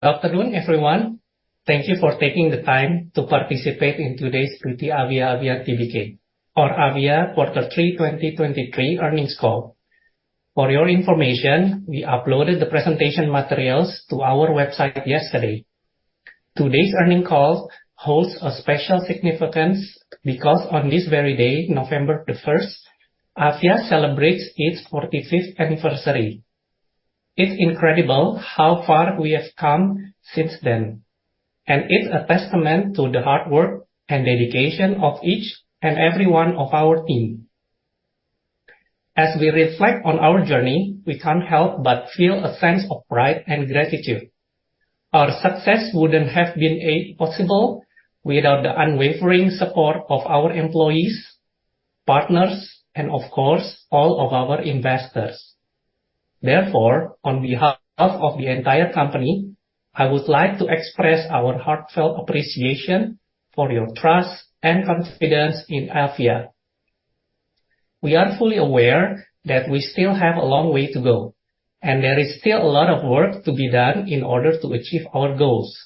Good afternoon, everyone. Thank you for taking the time to participate in today's PT Avia Avian Tbk, or Avia Q3 2023 earnings call. For your information, we uploaded the presentation materials to our website yesterday. Today's earnings call holds a special significance, because on this very day, November the first, Avia celebrates its 45th anniversary. It's incredible how far we have come since then, and it's a testament to the hard work and dedication of each and every one of our team. As we reflect on our journey, we can't help but feel a sense of pride and gratitude. Our success wouldn't have been possible without the unwavering support of our employees, partners, and of course, all of our investors. Therefore, on behalf of the entire company, I would like to express our heartfelt appreciation for your trust and confidence in Avia. We are fully aware that we still have a long way to go, and there is still a lot of work to be done in order to achieve our goals.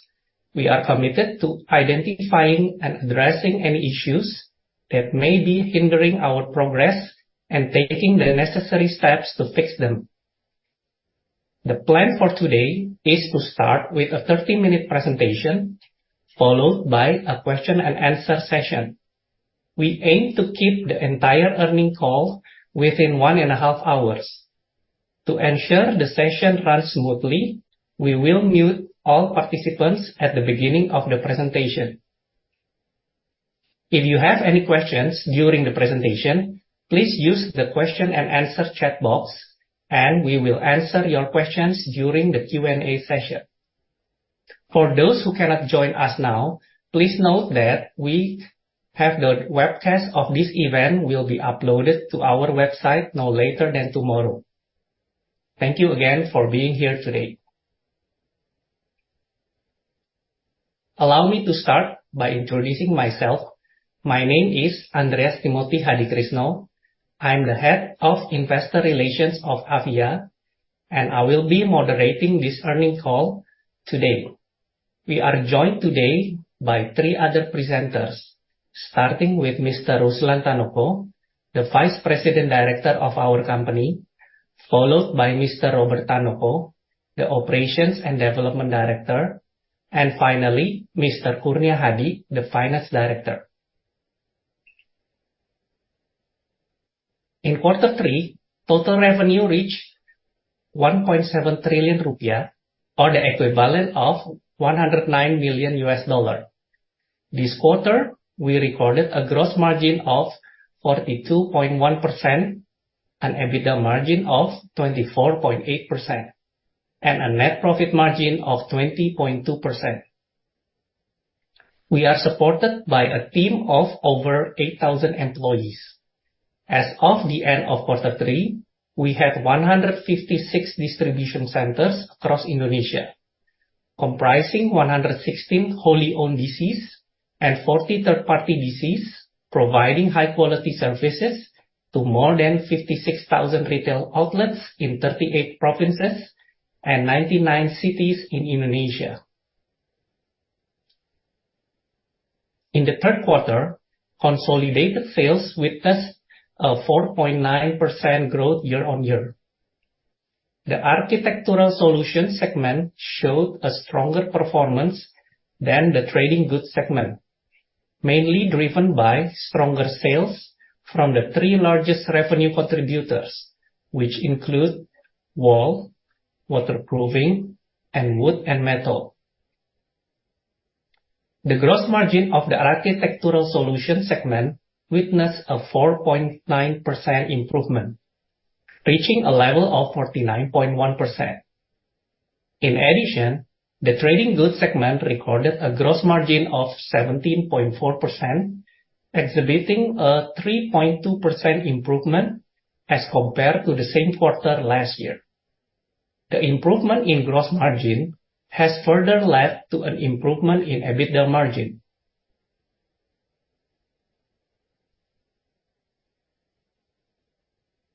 We are committed to identifying and addressing any issues that may be hindering our progress and taking the necessary steps to fix them. The plan for today is to start with a 30-minute presentation, followed by a question and answer session. We aim to keep the entire earnings call within one and a half hours. To ensure the session runs smoothly, we will mute all participants at the beginning of the presentation. If you have any questions during the presentation, please use the question and answer chat box, and we will answer your questions during the Q&A session. For those who cannot join us now, please note that we have the webcast of this event will be uploaded to our website no later than tomorrow. Thank you again for being here today. Allow me to start by introducing myself. My name is Andreas Timothy Hadikrisno. I'm the Head of Investor Relations of Avia, and I will be moderating this earnings call today. We are joined today by three other presenters, starting with Mr. Ruslan Tanoko, the Vice President Director of our company, followed by Mr. Robert Tanoko, the Operations and Development Director, and finally, Mr. Kurnia Hadi, the Finance Director. In quarter three, total revenue reached 1.7 trillion rupiah, or the equivalent of $109 million. This quarter, we recorded a gross margin of 42.1%, an EBITDA margin of 24.8%, and a net profit margin of 20.2%. We are supported by a team of over 8,000 employees. As of the end of Q3, we had 156 distribution centers across Indonesia, comprising 116 wholly owned DCs and 40 third-party DCs, providing high-quality services to more than 56,000 retail outlets in 38 provinces and 99 cities in Indonesia. In the Q3, consolidated sales witnessed a 4.9% growth year on year. The architectural solutions segment showed a stronger performance than the trading goods segment, mainly driven by stronger sales from the three largest revenue contributors, which include wall, waterproofing, and wood and metal. The gross margin of the architectural solutions segment witnessed a 4.9% improvement, reaching a level of 49.1%. In addition, the trading goods segment recorded a gross margin of 17.4%, exhibiting a 3.2% improvement as compared to the same quarter last year. The improvement in gross margin has further led to an improvement in EBITDA margin.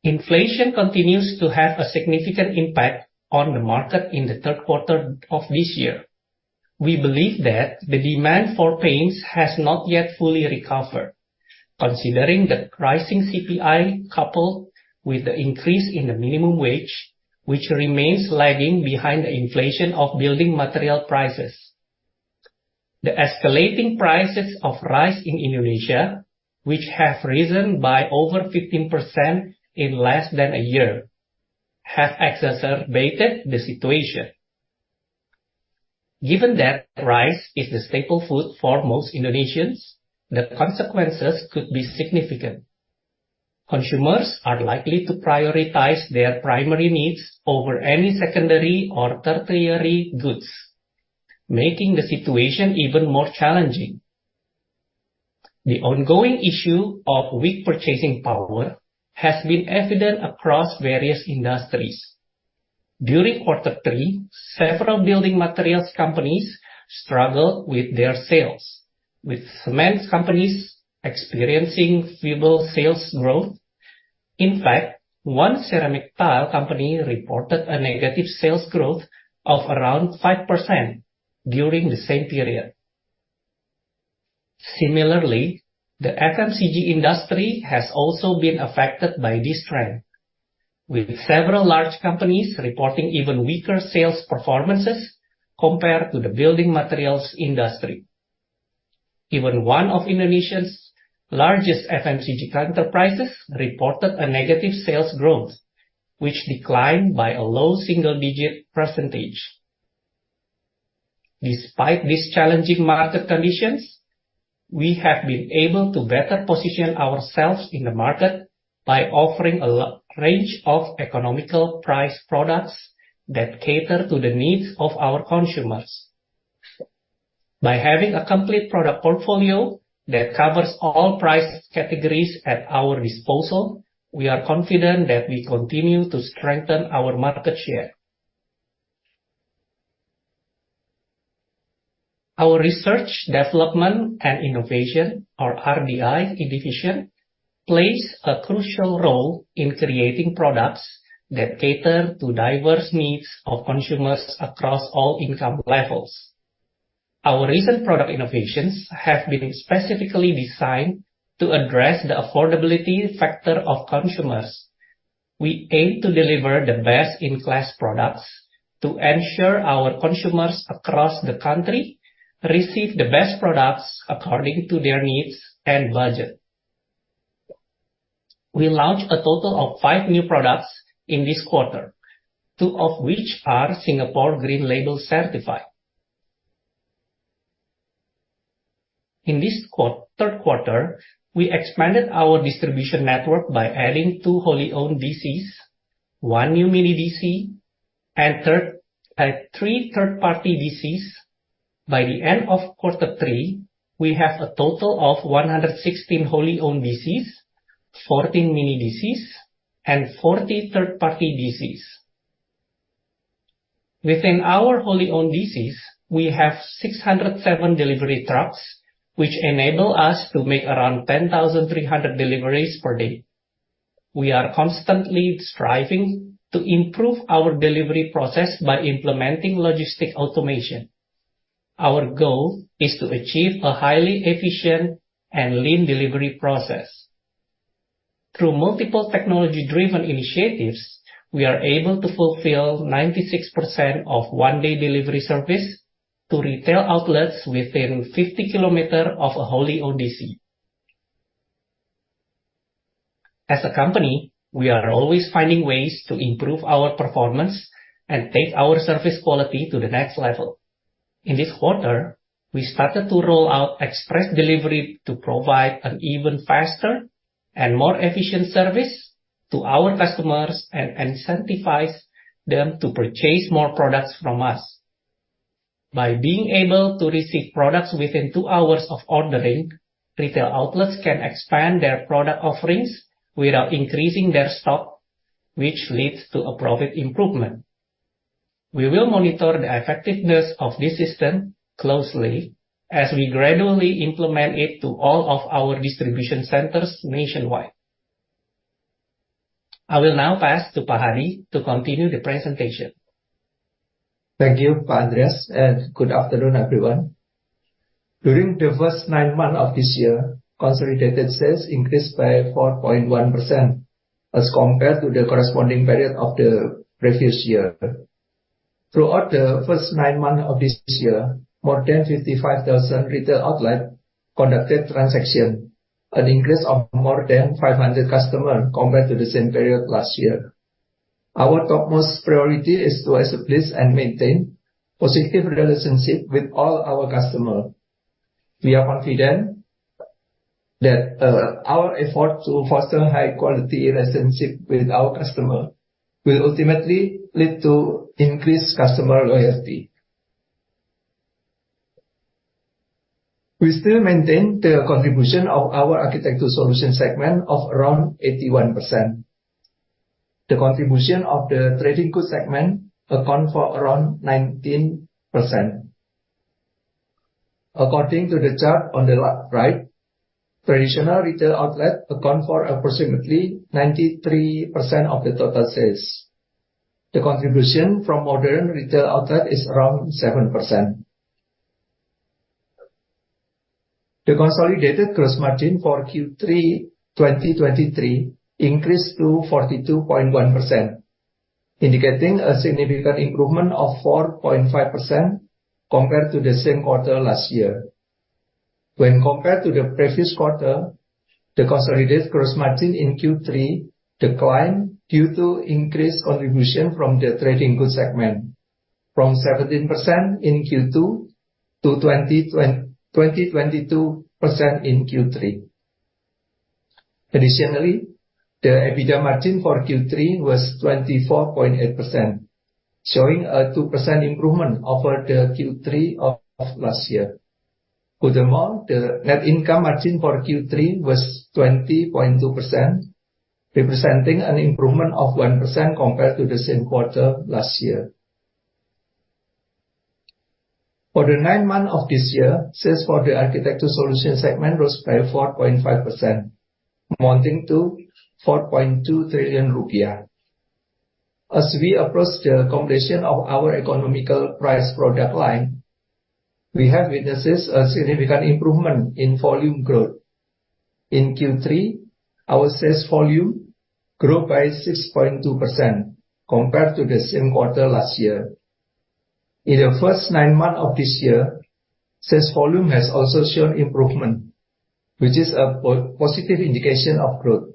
Inflation continues to have a significant impact on the market in the Q3 of this year. We believe that the demand for paints has not yet fully recovered, considering the rising CPI, coupled with the increase in the minimum wage, which remains lagging behind the inflation of building material prices. The escalating prices of rice in Indonesia, which have risen by over 15% in less than a year, have exacerbated the situation. Given that rice is the staple food for most Indonesians, the consequences could be significant. Consumers are likely to prioritize their primary needs over any secondary or tertiary goods, making the situation even more challenging. The ongoing issue of weak purchasing power has been evident across various industries. During Q3, several building materials companies struggled with their sales, with cement companies experiencing feeble sales growth. In fact, one ceramic tile company reported a negative sales growth of around 5% during the same period. Similarly, the FMCG industry has also been affected by this trend, with several large companies reporting even weaker sales performances compared to the building materials industry. Even one of Indonesia's largest FMCG enterprises reported a negative sales growth, which declined by a low single-digit percentage. Despite these challenging market conditions, we have been able to better position ourselves in the market by offering a low range of economical price products that cater to the needs of our consumers. By having a complete product portfolio that covers all price categories at our disposal, we are confident that we continue to strengthen our market share. Our research, development, and innovation, or RDI division, plays a crucial role in creating products that cater to diverse needs of consumers across all income levels. Our recent product innovations have been specifically designed to address the affordability factor of consumers. We aim to deliver the best-in-class products to ensure our consumers across the country receive the best products according to their needs and budget. We launched a total of five new products in this quarter, two of which are Singapore Green Label certified. In this Q3, we expanded our distribution network by adding two wholly-owned DCs, one new mini DC, and three third-party DCs. By the end of quarter three, we have a total of 116 wholly-owned DCs, 14 mini DCs, and 40 third-party DCs. Within our wholly-owned DCs, we have 607 delivery trucks, which enable us to make around 10,300 deliveries per day. We are constantly striving to improve our delivery process by implementing logistic automation. Our goal is to achieve a highly efficient and lean delivery process. Through multiple technology-driven initiatives, we are able to fulfill 96% of one-day delivery service to retail outlets within 50km of a wholly-owned DC. As a company, we are always finding ways to improve our performance and take our service quality to the next level. In this quarter, we started to roll out Express Delivery to provide an even faster and more efficient service to our customers and incentivize them to purchase more products from us. By being able to receive products within two hours of ordering, retail outlets can expand their product offerings without increasing their stock, which leads to a profit improvement. We will monitor the effectiveness of this system closely as we gradually implement it to all of our distribution centers nationwide. I will now pass to Pak Hadi to continue the presentation. Thank you, Pak Andreas, and good afternoon, everyone. During the first nine months of this year, consolidated sales increased by 4.1% as compared to the corresponding period of the previous year. Throughout the first nine months of this year, more than 55,000 retail outlet conducted transaction, an increase of more than 500 customer compared to the same period last year. Our topmost priority is to establish and maintain positive relationship with all our customer. We are confident that, our effort to foster high-quality relationship with our customer will ultimately lead to increased customer loyalty. We still maintain the contribution of our architecture solution segment of around 81%. The contribution of the trading goods segment account for around 19%. According to the chart on the right, traditional retail outlet account for approximately 93% of the total sales. The contribution from modern retail outlet is around 7%. The consolidated gross margin for Q3 2023 increased to 42.1%, indicating a significant improvement of 4.5% compared to the same quarter last year. When compared to the previous quarter, the consolidated gross margin in Q3 declined due to increased contribution from the trading goods segment, from 17% in Q2 to 22% in Q3. Additionally, the EBITDA margin for Q3 was 24.8%, showing a 2% improvement over the Q3 of last year. Furthermore, the net income margin for Q3 was 20.2%, representing an improvement of 1% compared to the same quarter last year. For the nine months of this year, sales for the architecture solution segment rose by 4.5%, amounting to 4.2 trillion rupiah. As we approach the completion of our economical price product line, we have witnessed a significant improvement in volume growth. In Q3, our sales volume grew by 6.2% compared to the same quarter last year. In the first nine months of this year, sales volume has also shown improvement, which is a positive indication of growth.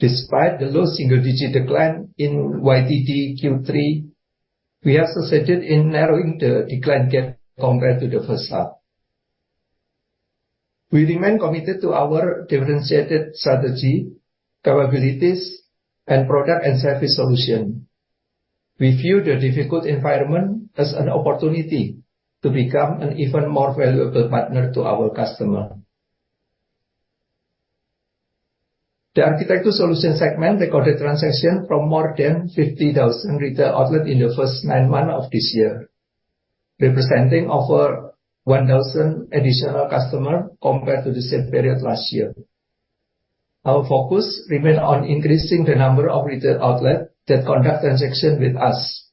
Despite the low single-digit decline in YTD Q3, we have succeeded in narrowing the decline gap compared to the first half. We remain committed to our differentiated strategy, capabilities, and product and service solution. We view the difficult environment as an opportunity to become an even more valuable partner to our customer. The architecture solution segment recorded transactions from more than 50,000 retail outlets in the first nine months of this year, representing over 1,000 additional customers compared to the same period last year. Our focus remain on increasing the number of retail outlet that conduct transaction with us,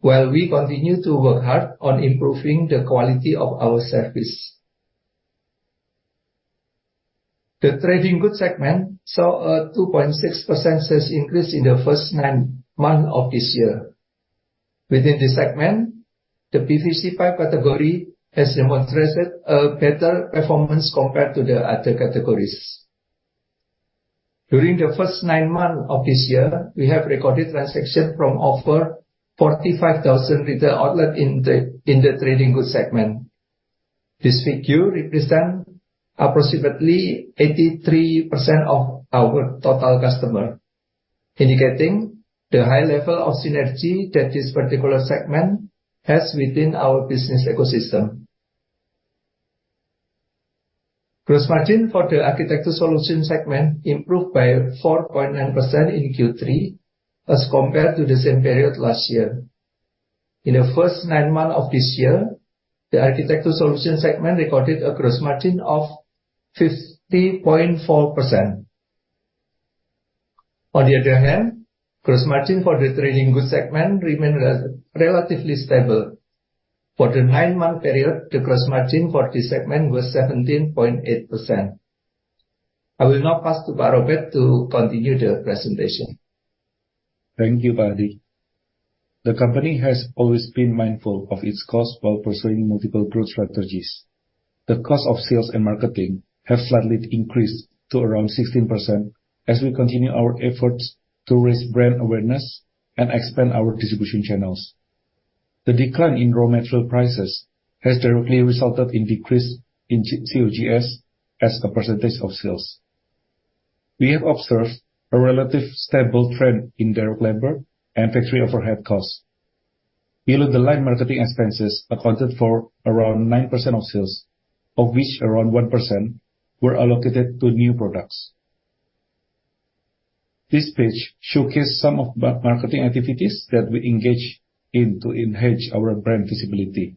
while we continue to work hard on improving the quality of our service. The trading goods segment saw a 2.6% sales increase in the first nine months of this year. Within this segment, the PVC Pipe category has demonstrated a better performance compared to the other categories. During the first nine months of this year, we have recorded transactions from over 45,000 retail outlet in the trading goods segment. This figure represents approximately 83% of our total customer, indicating the high level of synergy that this particular segment has within our business ecosystem. Gross margin for the architecture solution segment improved by 4.9% in Q3 as compared to the same period last year. In the first nine months of this year, the architecture solution segment recorded a gross margin of 50.4%. On the other hand, gross margin for the trading goods segment remained relatively stable. For the nine-month period, the gross margin for this segment was 17.8%. I will now pass to Pak Robert to continue the presentation. Thank you, Pak Andy. The company has always been mindful of its costs while pursuing multiple growth strategies. The cost of sales and marketing have slightly increased to around 16% as we continue our efforts to raise brand awareness and expand our distribution channels. The decline in raw material prices has directly resulted in decrease in COGS as a percentage of sales. We have observed a relatively stable trend in direct labor and factory overhead costs. Below the line marketing expenses accounted for around 9% of sales, of which around 1% were allocated to new products. This page showcases some of the marketing activities that we engage in to enhance our brand visibility.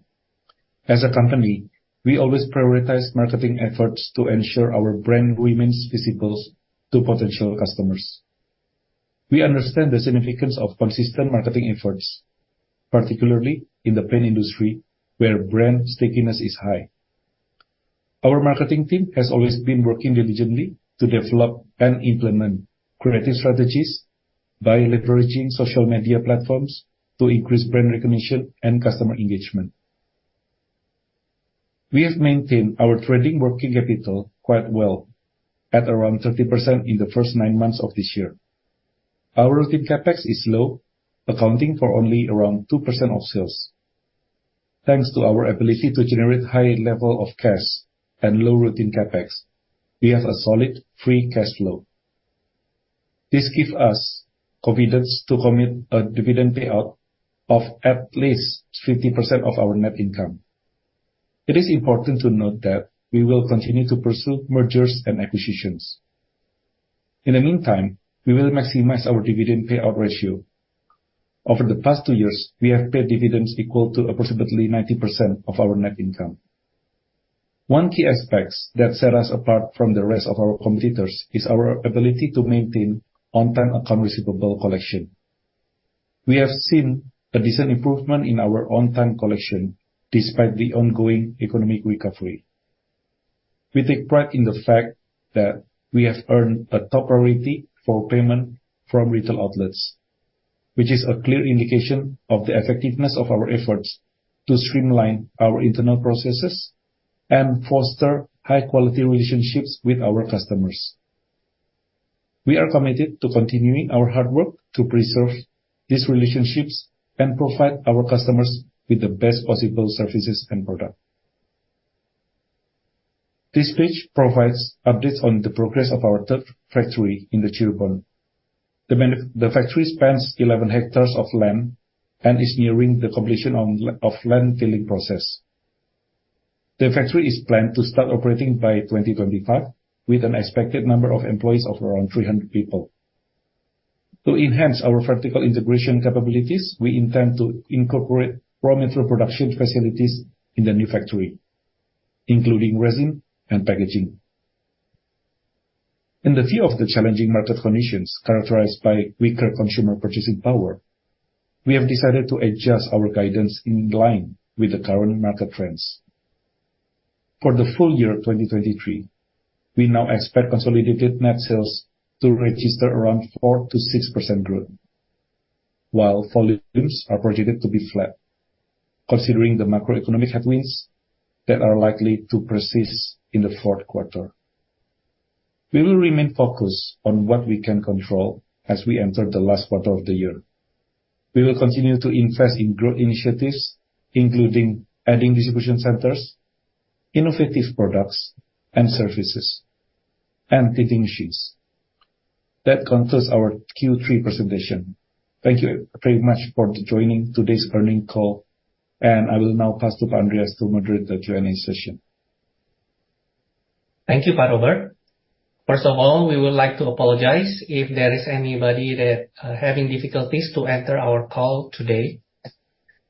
As a company, we always prioritize marketing efforts to ensure our brand remains visible to potential customers. We understand the significance of consistent marketing efforts, particularly in the paint industry, where brand stickiness is high. Our marketing team has always been working diligently to develop and implement creative strategies by leveraging social media platforms to increase brand recognition and customer engagement. We have maintained our trading working capital quite well at around 30% in the first nine months of this year. Our routine CapEx is low, accounting for only around 2% of sales. Thanks to our ability to generate high level of cash and low routine CapEx, we have a solid free cash flow. This give us confidence to commit a dividend payout of at least 50% of our net income. It is important to note that we will continue to pursue mergers and acquisitions. In the meantime, we will maximize our dividend payout ratio. Over the past two years, we have paid dividends equal to approximately 90% of our net income. One key aspect that set us apart from the rest of our competitors is our ability to maintain on-time account receivable collection. We have seen a decent improvement in our on-time collection, despite the ongoing economic recovery. We take pride in the fact that we have earned a top priority for payment from retail outlets, which is a clear indication of the effectiveness of our efforts to streamline our internal processes and foster high-quality relationships with our customers. We are committed to continuing our hard work to preserve these relationships and provide our customers with the best possible services and products. This page provides updates on the progress of our third factory in the Cirebon. The factory spans 11 hectares of land and is nearing the completion of the land filling process. The factory is planned to start operating by 2025, with an expected number of employees of around 300 people. To enhance our vertical integration capabilities, we intend to incorporate raw material production facilities in the new factory, including resin and packaging. In the view of the challenging market conditions, characterized by weaker consumer purchasing power, we have decided to adjust our guidance in line with the current market trends. For the full year of 2023, we now expect consolidated net sales to register around 4%-6% growth, while volumes are projected to be flat, considering the macroeconomic headwinds that are likely to persist in the Q4. We will remain focused on what we can control as we enter the last quarter of the year. We will continue to invest in growth initiatives, including adding distribution centers, innovative products and services, and tinting machines. That concludes our Q3 presentation. Thank you very much for joining today's earnings call, and I will now pass to Andreas to moderate the Q&A session. Thank you, Pak Robert. First of all, we would like to apologize if there is anybody that, having difficulties to enter our call today.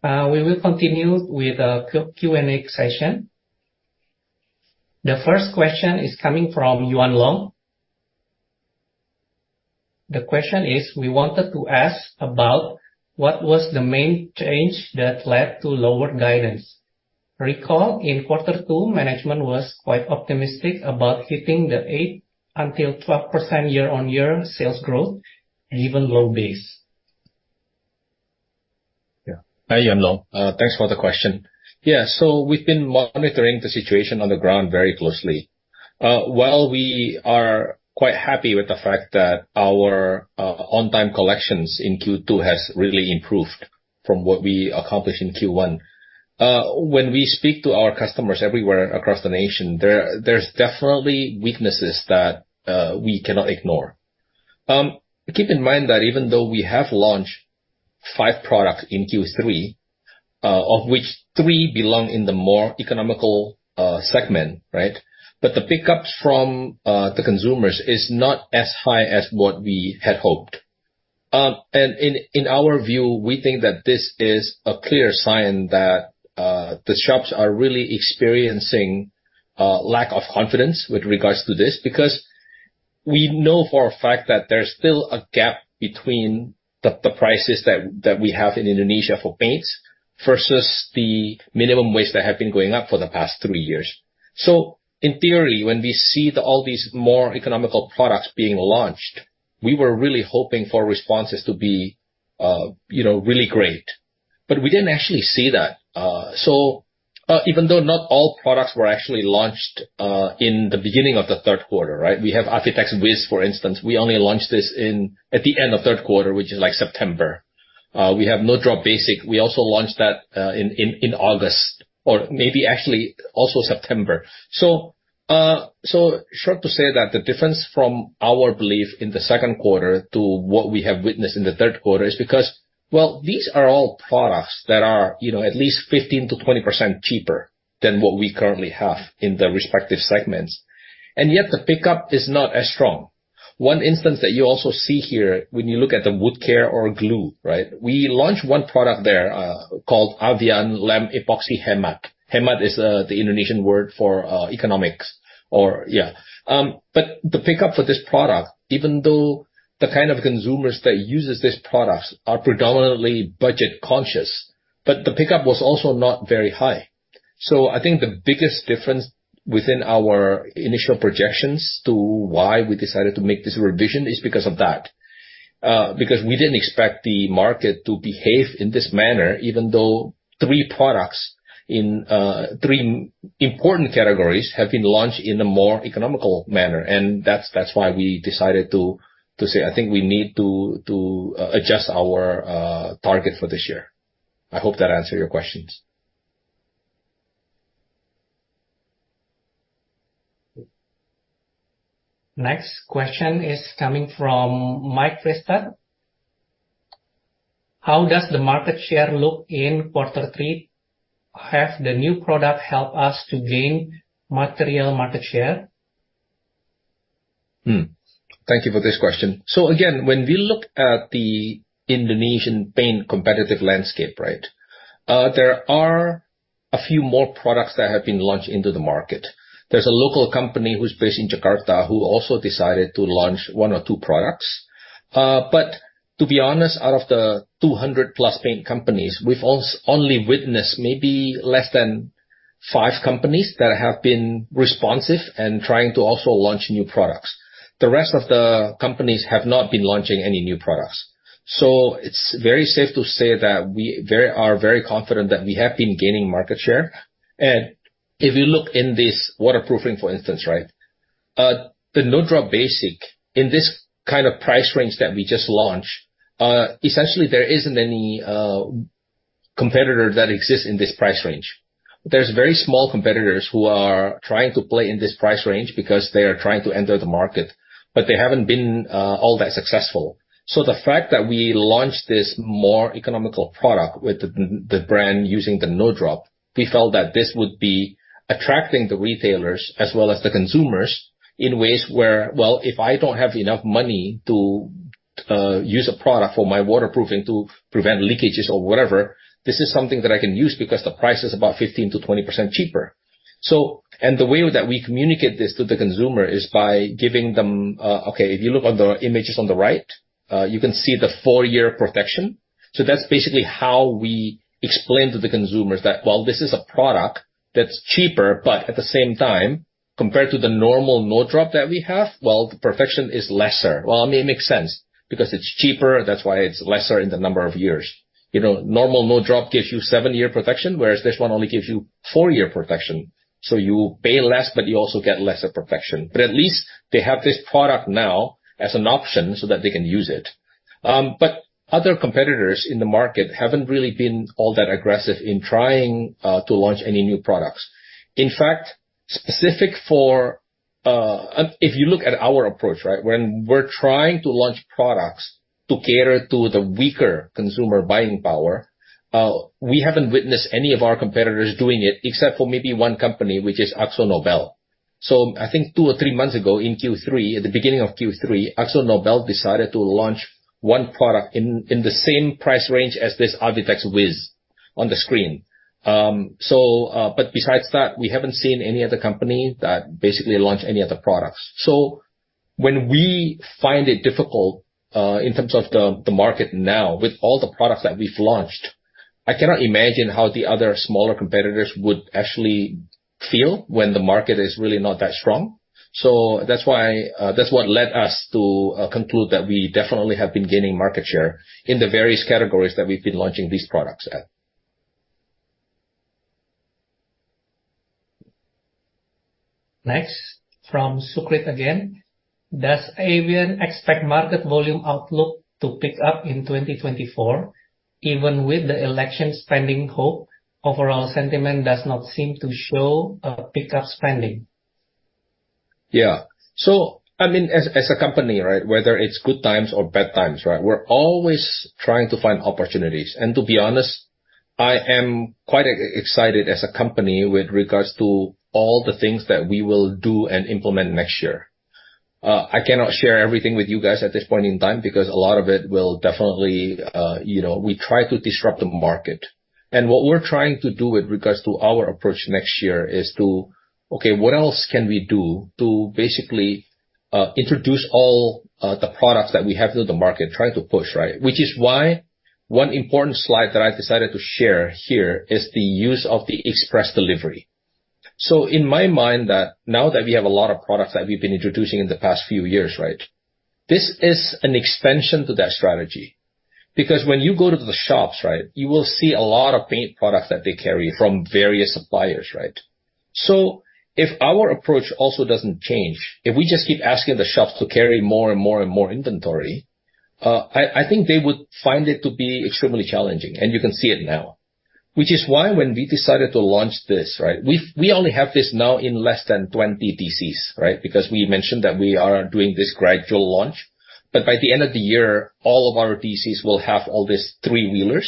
We will continue with, Q&A session. The first question is coming from Yuan Long. The question is, we wanted to ask about what was the main change that led to lower guidance? Recall, in quarter two, management was quite optimistic about hitting the 8%-12% year-on-year sales growth, and even low base. Yeah. Hi, Yuan Long. Thanks for the question. Yeah, so we've been monitoring the situation on the ground very closely. While we are quite happy with the fact that our on-time collections in Q2 has really improved from what we accomplished in Q1, when we speak to our customers everywhere across the nation, there's definitely weaknesses that we cannot ignore. Keep in mind that even though we have launched five products in Q3, of which three belong in the more economical segment, right? But the pickups from the consumers is not as high as what we had hoped. And in our view, we think that this is a clear sign that the shops are really experiencing lack of confidence with regards to this, because we know for a fact that there's still a gap between the prices that we have in Indonesia for paints, versus the minimum wage that have been going up for the past three years. So in theory, when we see all these more economical products being launched, we were really hoping for responses to be, you know, really great, but we didn't actually see that. So even though not all products were actually launched in the beginning of the Q3, right? We have Avitex Wizz, for instance. We only launched this in at the end of Q3, which is like September. We have No Drop Basic. We also launched that in August, or maybe actually also September. So, so short to say that the difference from our belief in the Q2 to what we have witnessed in the Q3, is because, well, these are all products that are, you know, at least 15%-20% cheaper than what we currently have in the respective segments, and yet the pickup is not as strong. One instance that you also see here when you look at the wood care or glue, right? We launched one product there, called Avian Lem Epoxy Hemat. Hemat is, the Indonesian word for, economics or yeah. But the pickup for this product, even though the kind of consumers that uses these products are predominantly budget-conscious, but the pickup was also not very high. So I think the biggest difference within our initial projections to why we decided to make this revision is because of that. Because we didn't expect the market to behave in this manner, even though three products in three important categories have been launched in a more economical manner. And that's why we decided to adjust our target for this year. I hope that answered your questions. Next question is coming from Mike Crystal. How does the market share look in Q3? Have the new product helped us to gain material market share? Thank you for this question. So again, when we look at the Indonesian paint competitive landscape, right, there are a few more products that have been launched into the market. There's a local company who's based in Jakarta, who also decided to launch one or two products. But to be honest, out of the 200+ paint companies, we've only witnessed maybe less than five companies that have been responsive and trying to also launch new products. The rest of the companies have not been launching any new products. So it's very safe to say that we are very confident that we have been gaining market share. And if you look in this waterproofing, for instance, right, the No Drop Basic, in this kind of price range that we just launched, essentially there isn't any... competitor that exists in this price range. There's very small competitors who are trying to play in this price range because they are trying to enter the market, but they haven't been all that successful. So the fact that we launched this more economical product with the, the brand using the No Drop, we felt that this would be attracting the retailers as well as the consumers in ways where, well, if I don't have enough money to use a product for my waterproofing to prevent leakages or whatever, this is something that I can use because the price is about 15%-20% cheaper. And the way that we communicate this to the consumer is by giving them, okay, if you look on the images on the right, you can see the four-year protection. So that's basically how we explain to the consumers that, well, this is a product that's cheaper, but at the same time, compared to the normal No Drop that we have, well, the protection is lesser. Well, I mean, it makes sense, because it's cheaper, that's why it's lesser in the number of years. You know, normal No Drop gives you seven-year protection, whereas this one only gives you four-year protection. So you pay less, but you also get lesser protection. But at least they have this product now as an option so that they can use it. But other competitors in the market haven't really been all that aggressive in trying to launch any new products. In fact, specific for... If you look at our approach, right? When we're trying to launch products to cater to the weaker consumer buying power, we haven't witnessed any of our competitors doing it, except for maybe one company, which is AkzoNobel. I think two or three months ago, in Q3, at the beginning of Q3, AkzoNobel decided to launch one product in the same price range as this Avitex Wiz on the screen. But besides that, we haven't seen any other company that basically launched any other products. When we find it difficult in terms of the market now, with all the products that we've launched, I cannot imagine how the other smaller competitors would actually feel when the market is really not that strong. So that's why, that's what led us to conclude that we definitely have been gaining market share in the various categories that we've been launching these products at. Next, from Sukrit again. Does Avian expect market volume outlook to pick up in 2024, even with the election spending hope? Overall sentiment does not seem to show a pick-up spending? Yeah. So I mean, as a company, right, we're always trying to find opportunities. And to be honest, I am quite excited as a company with regards to all the things that we will do and implement next year. I cannot share everything with you guys at this point in time, because a lot of it will definitely, you know, we try to disrupt the market. And what we're trying to do with regards to our approach next year is to, okay, what else can we do to basically introduce all the products that we have to the market, try to push, right? Which is why one important slide that I've decided to share here is the use of the express delivery. In my mind, now that we have a lot of products that we've been introducing in the past few years, right, this is an extension to that strategy. Because when you go to the shops, right, you will see a lot of paint products that they carry from various suppliers, right? So if our approach also doesn't change, if we just keep asking the shops to carry more and more and more inventory, I think they would find it to be extremely challenging, and you can see it now. Which is why when we decided to launch this, right, we only have this now in less than 20 DCs, right? Because we mentioned that we are doing this gradual launch. But by the end of the year, all of our DCs will have all these three-wheelers.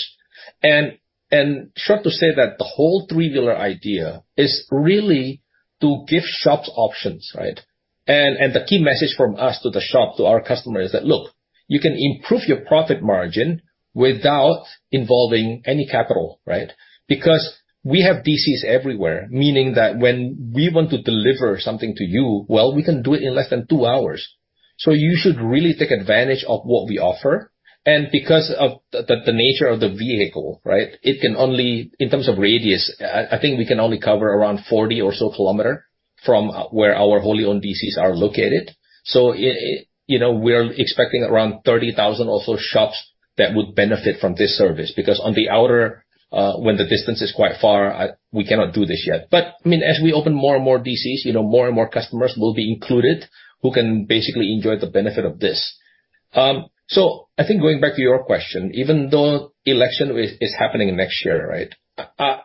In short, to say that the whole three-wheeler idea is really to give shops options, right? And the key message from us to the shop, to our customer, is that, "Look, you can improve your profit margin without involving any capital, right? Because we have DCs everywhere, meaning that when we want to deliver something to you, well, we can do it in less than two hours. So you should really take advantage of what we offer." And because of the nature of the vehicle, right, it can only, in terms of radius, I think we can only cover around 40 or so kilometers from where our wholly-owned DCs are located. So, you know, we're expecting around 30,000 or so shops that would benefit from this service, because on the outer, when the distance is quite far, we cannot do this yet. But, I mean, as we open more and more DCs, you know, more and more customers will be included who can basically enjoy the benefit of this. So I think going back to your question, even though election is happening next year, right?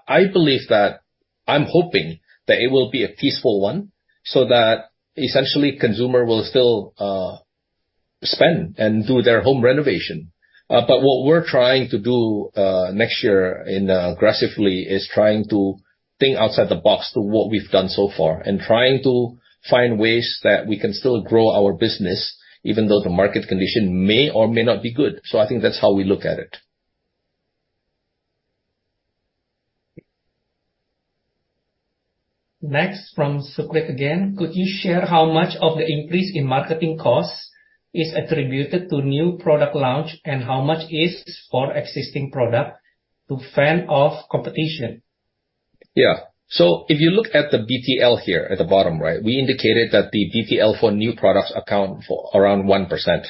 I believe that... I'm hoping that it will be a peaceful one, so that essentially consumer will still spend and do their home renovation. But what we're trying to do, next year and, aggressively, is trying to think outside the box to what we've done so far, and trying to find ways that we can still grow our business, even though the market condition may or may not be good. So I think that's how we look at it. Next, from Sukrit again. Could you share how much of the increase in marketing costs is attributed to new product launch, and how much is for existing product to fend off competition? Yeah. So if you look at the BTL here at the bottom right, we indicated that the BTL for new products account for around 1%.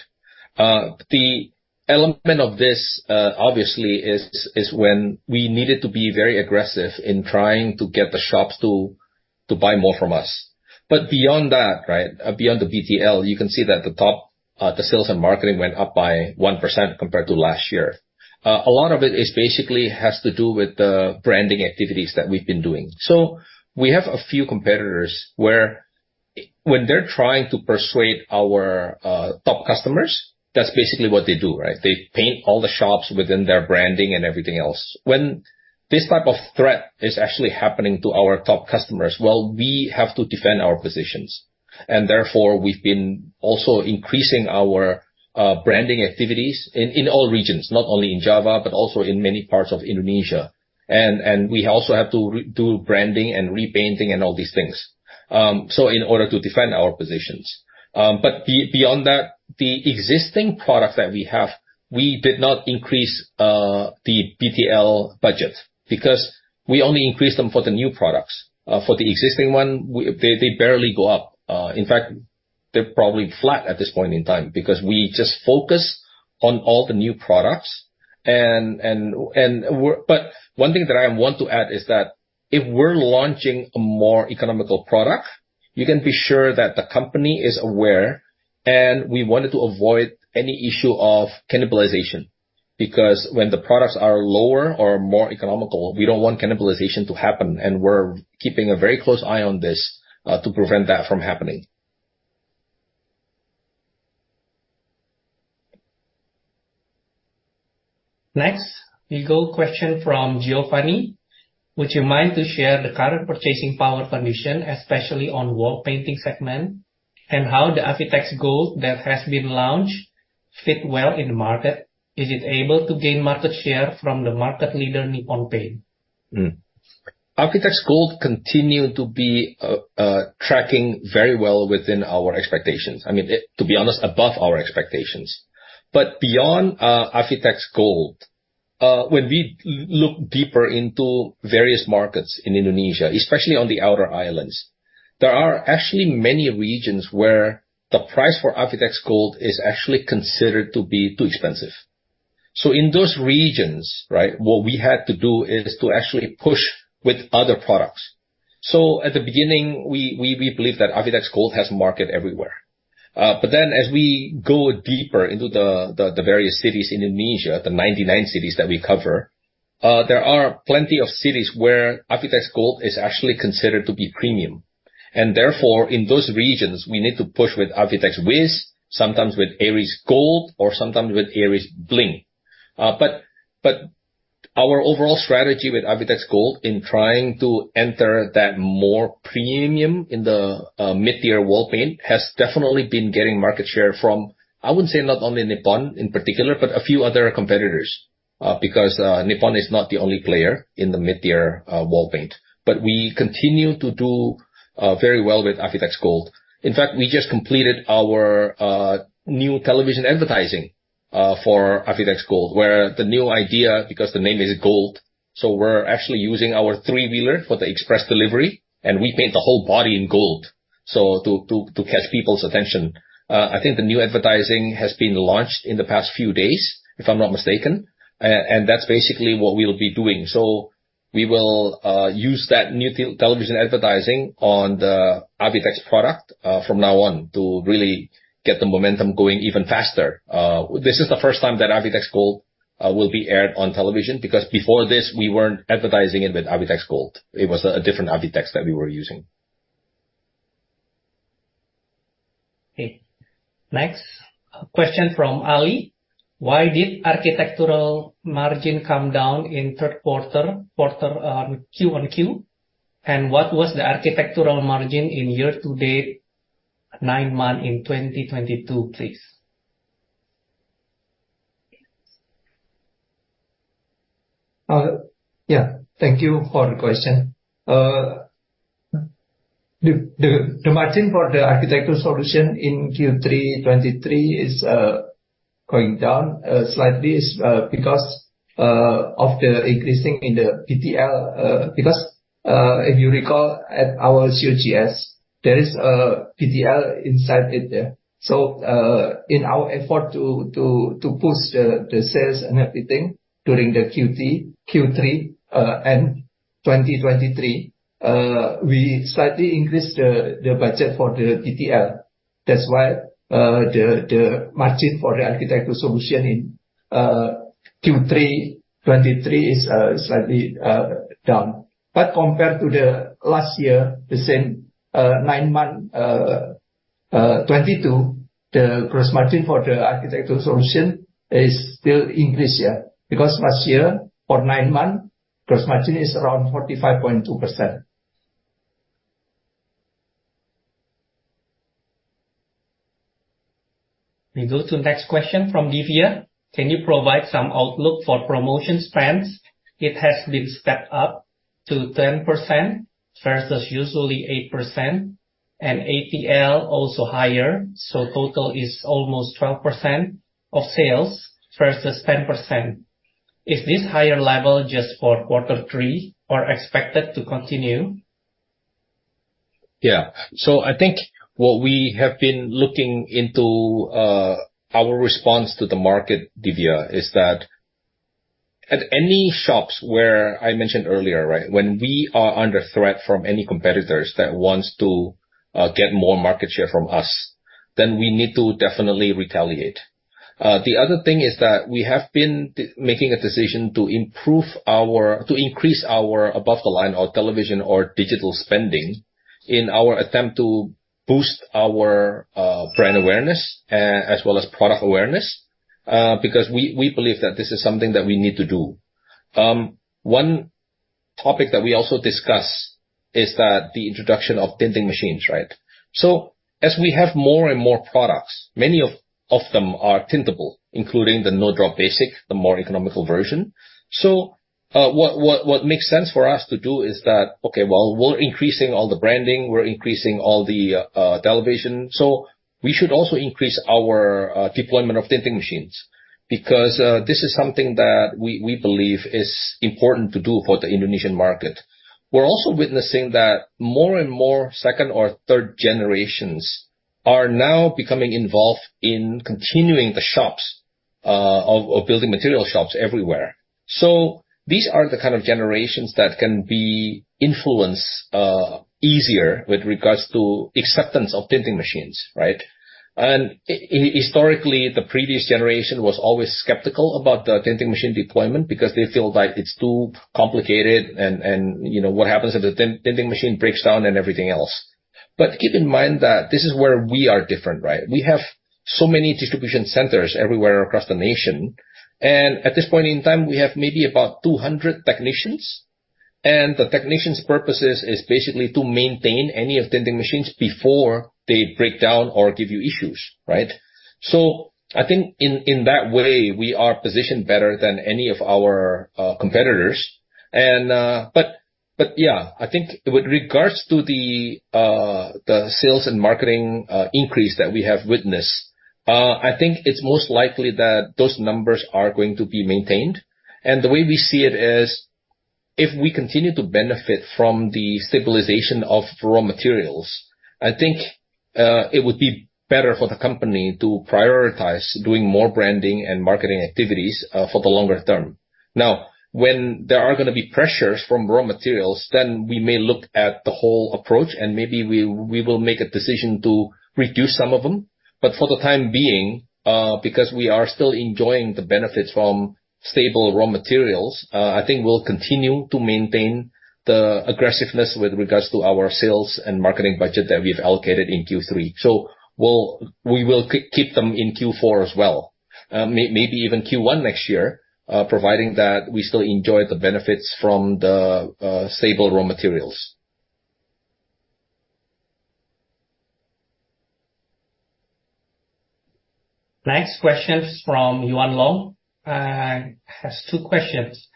The element of this, obviously, is when we needed to be very aggressive in trying to get the shops to buy more from us. But beyond that, right, beyond the BTL, you can see that the top, the sales and marketing went up by 1% compared to last year. A lot of it is basically has to do with the branding activities that we've been doing. So we have a few competitors, where when they're trying to persuade our top customers, that's basically what they do, right? They paint all the shops within their branding and everything else. When this type of threat is actually happening to our top customers, well, we have to defend our positions. And therefore, we've been also increasing our branding activities in all regions, not only in Java, but also in many parts of Indonesia. And we also have to re-do branding and repainting and all these things, so in order to defend our positions. But beyond that, the existing product that we have, we did not increase the BTL budget because we only increased them for the new products. For the existing one, they barely go up. In fact, they're probably flat at this point in time because we just focus on all the new products and we're. But one thing that I want to add is that if we're launching a more economical product, you can be sure that the company is aware, and we wanted to avoid any issue of cannibalization. Because when the products are lower or more economical, we don't want cannibalization to happen, and we're keeping a very close eye on this, to prevent that from happening. Next, we go to the question from Giovanni. Would you mind to share the current purchasing power condition, especially on wall painting segment? And how the Avitex Gold that has been launched fit well in the market. Is it able to gain market share from the market leader, Nippon Paint? Avitex Gold continue to be tracking very well within our expectations. I mean, to be honest, above our expectations. But beyond Avitex Gold, when we look deeper into various markets in Indonesia, especially on the outer islands, there are actually many regions where the price for Avitex Gold is actually considered to be too expensive. So in those regions, right, what we had to do is to actually push with other products. So at the beginning, we believe that Avitex Gold has market everywhere. But then as we go deeper into the various cities in Indonesia, the 99 cities that we cover, there are plenty of cities where Avitex Gold is actually considered to be premium. And therefore, in those regions, we need to push with Avitex Wiz, sometimes with Aries Gold or sometimes with uncertain. But our overall strategy with Avitex Gold in trying to enter that more premium in the mid-tier wall paint has definitely been getting market share from, I would say, not only Nippon in particular, but a few other competitors. Because Nippon is not the only player in the mid-tier wall paint. But we continue to do very well with Avitex Gold. In fact, we just completed our new television advertising for Avitex Gold, where the new idea, because the name is gold, so we're actually using our three-wheeler for the express delivery, and we paint the whole body in gold, so to catch people's attention. I think the new advertising has been launched in the past few days, if I'm not mistaken, and that's basically what we'll be doing. So we will use that new television advertising on the Avitex product from now on, to really get the momentum going even faster. This is the first time that Avitex Gold will be aired on television, because before this, we weren't advertising it with Avitex Gold. It was a different Avitex that we were using. Okay. Next, a question from Ali. Why did architectural margin come down in Q3 Q on Q? And what was the architectural margin in year-to-date, nine months in 2022, please? Yeah, thank you for the question. The margin for the architectural solution in Q3 2023 is going down slightly because of the increasing in the BTL. Because if you recall, at our COGS, there is a BTL inside it there. So in our effort to boost the sales and everything during the Q3 2023, we slightly increased the budget for the BTL. That's why the margin for the architectural solution in Q3 2023 is slightly down. But compared to the last year, the same nine-month 2022, the gross margin for the architectural solution is still increase, yeah. Because last year, for nine months, gross margin is around 45.2%. We go to next question from Divya. Can you provide some outlook for promotion trends? It has been stepped up to 10% versus usually 8%, and ATL also higher, so total is almost 12% of sales versus 10%. Is this higher level just for Q3 or expected to continue? Yeah. So I think what we have been looking into our response to the market, Divya, is that at any shops where I mentioned earlier, right? When we are under threat from any competitors that wants to get more market share from us, then we need to definitely retaliate. The other thing is that we have been making a decision to increase our above the line or television or digital spending, in our attempt to boost our brand awareness as well as product awareness, because we believe that this is something that we need to do. One topic that we also discuss is that the introduction of tinting machines, right? So as we have more and more products, many of them are tintable, including the No Drop Basic, the more economical version. So, what makes sense for us to do is that, okay, well, we're increasing all the branding, we're increasing all the television, so we should also increase our deployment of tinting machines. Because this is something that we believe is important to do for the Indonesian market. We're also witnessing that more and more second or third generations are now becoming involved in continuing the shops of building material shops everywhere. So these are the kind of generations that can be influenced easier with regards to acceptance of tinting machines, right? And historically, the previous generation was always skeptical about the tinting machine deployment because they feel like it's too complicated and you know, what happens if the tinting machine breaks down and everything else. But keep in mind that this is where we are different, right? We have so many distribution centers everywhere across the nation, and at this point in time, we have maybe about 200 technicians. The technicians' purposes is basically to maintain any of tinting machines before they break down or give you issues, right? I think in that way, we are positioned better than any of our competitors. But yeah, I think with regards to the sales and marketing increase that we have witnessed, I think it's most likely that those numbers are going to be maintained. The way we see it is, if we continue to benefit from the stabilization of raw materials, I think it would be better for the company to prioritize doing more branding and marketing activities for the longer term. Now, when there are gonna be pressures from raw materials, then we may look at the whole approach, and maybe we will make a decision to reduce some of them. But for the time being, because we are still enjoying the benefits from stable raw materials, I think we'll continue to maintain the aggressiveness with regards to our sales and marketing budget that we've allocated in Q3. So we'll keep them in Q4 as well. Maybe even Q1 next year, providing that we still enjoy the benefits from the stable raw materials. Next question is from Yuan Long, and has two questions.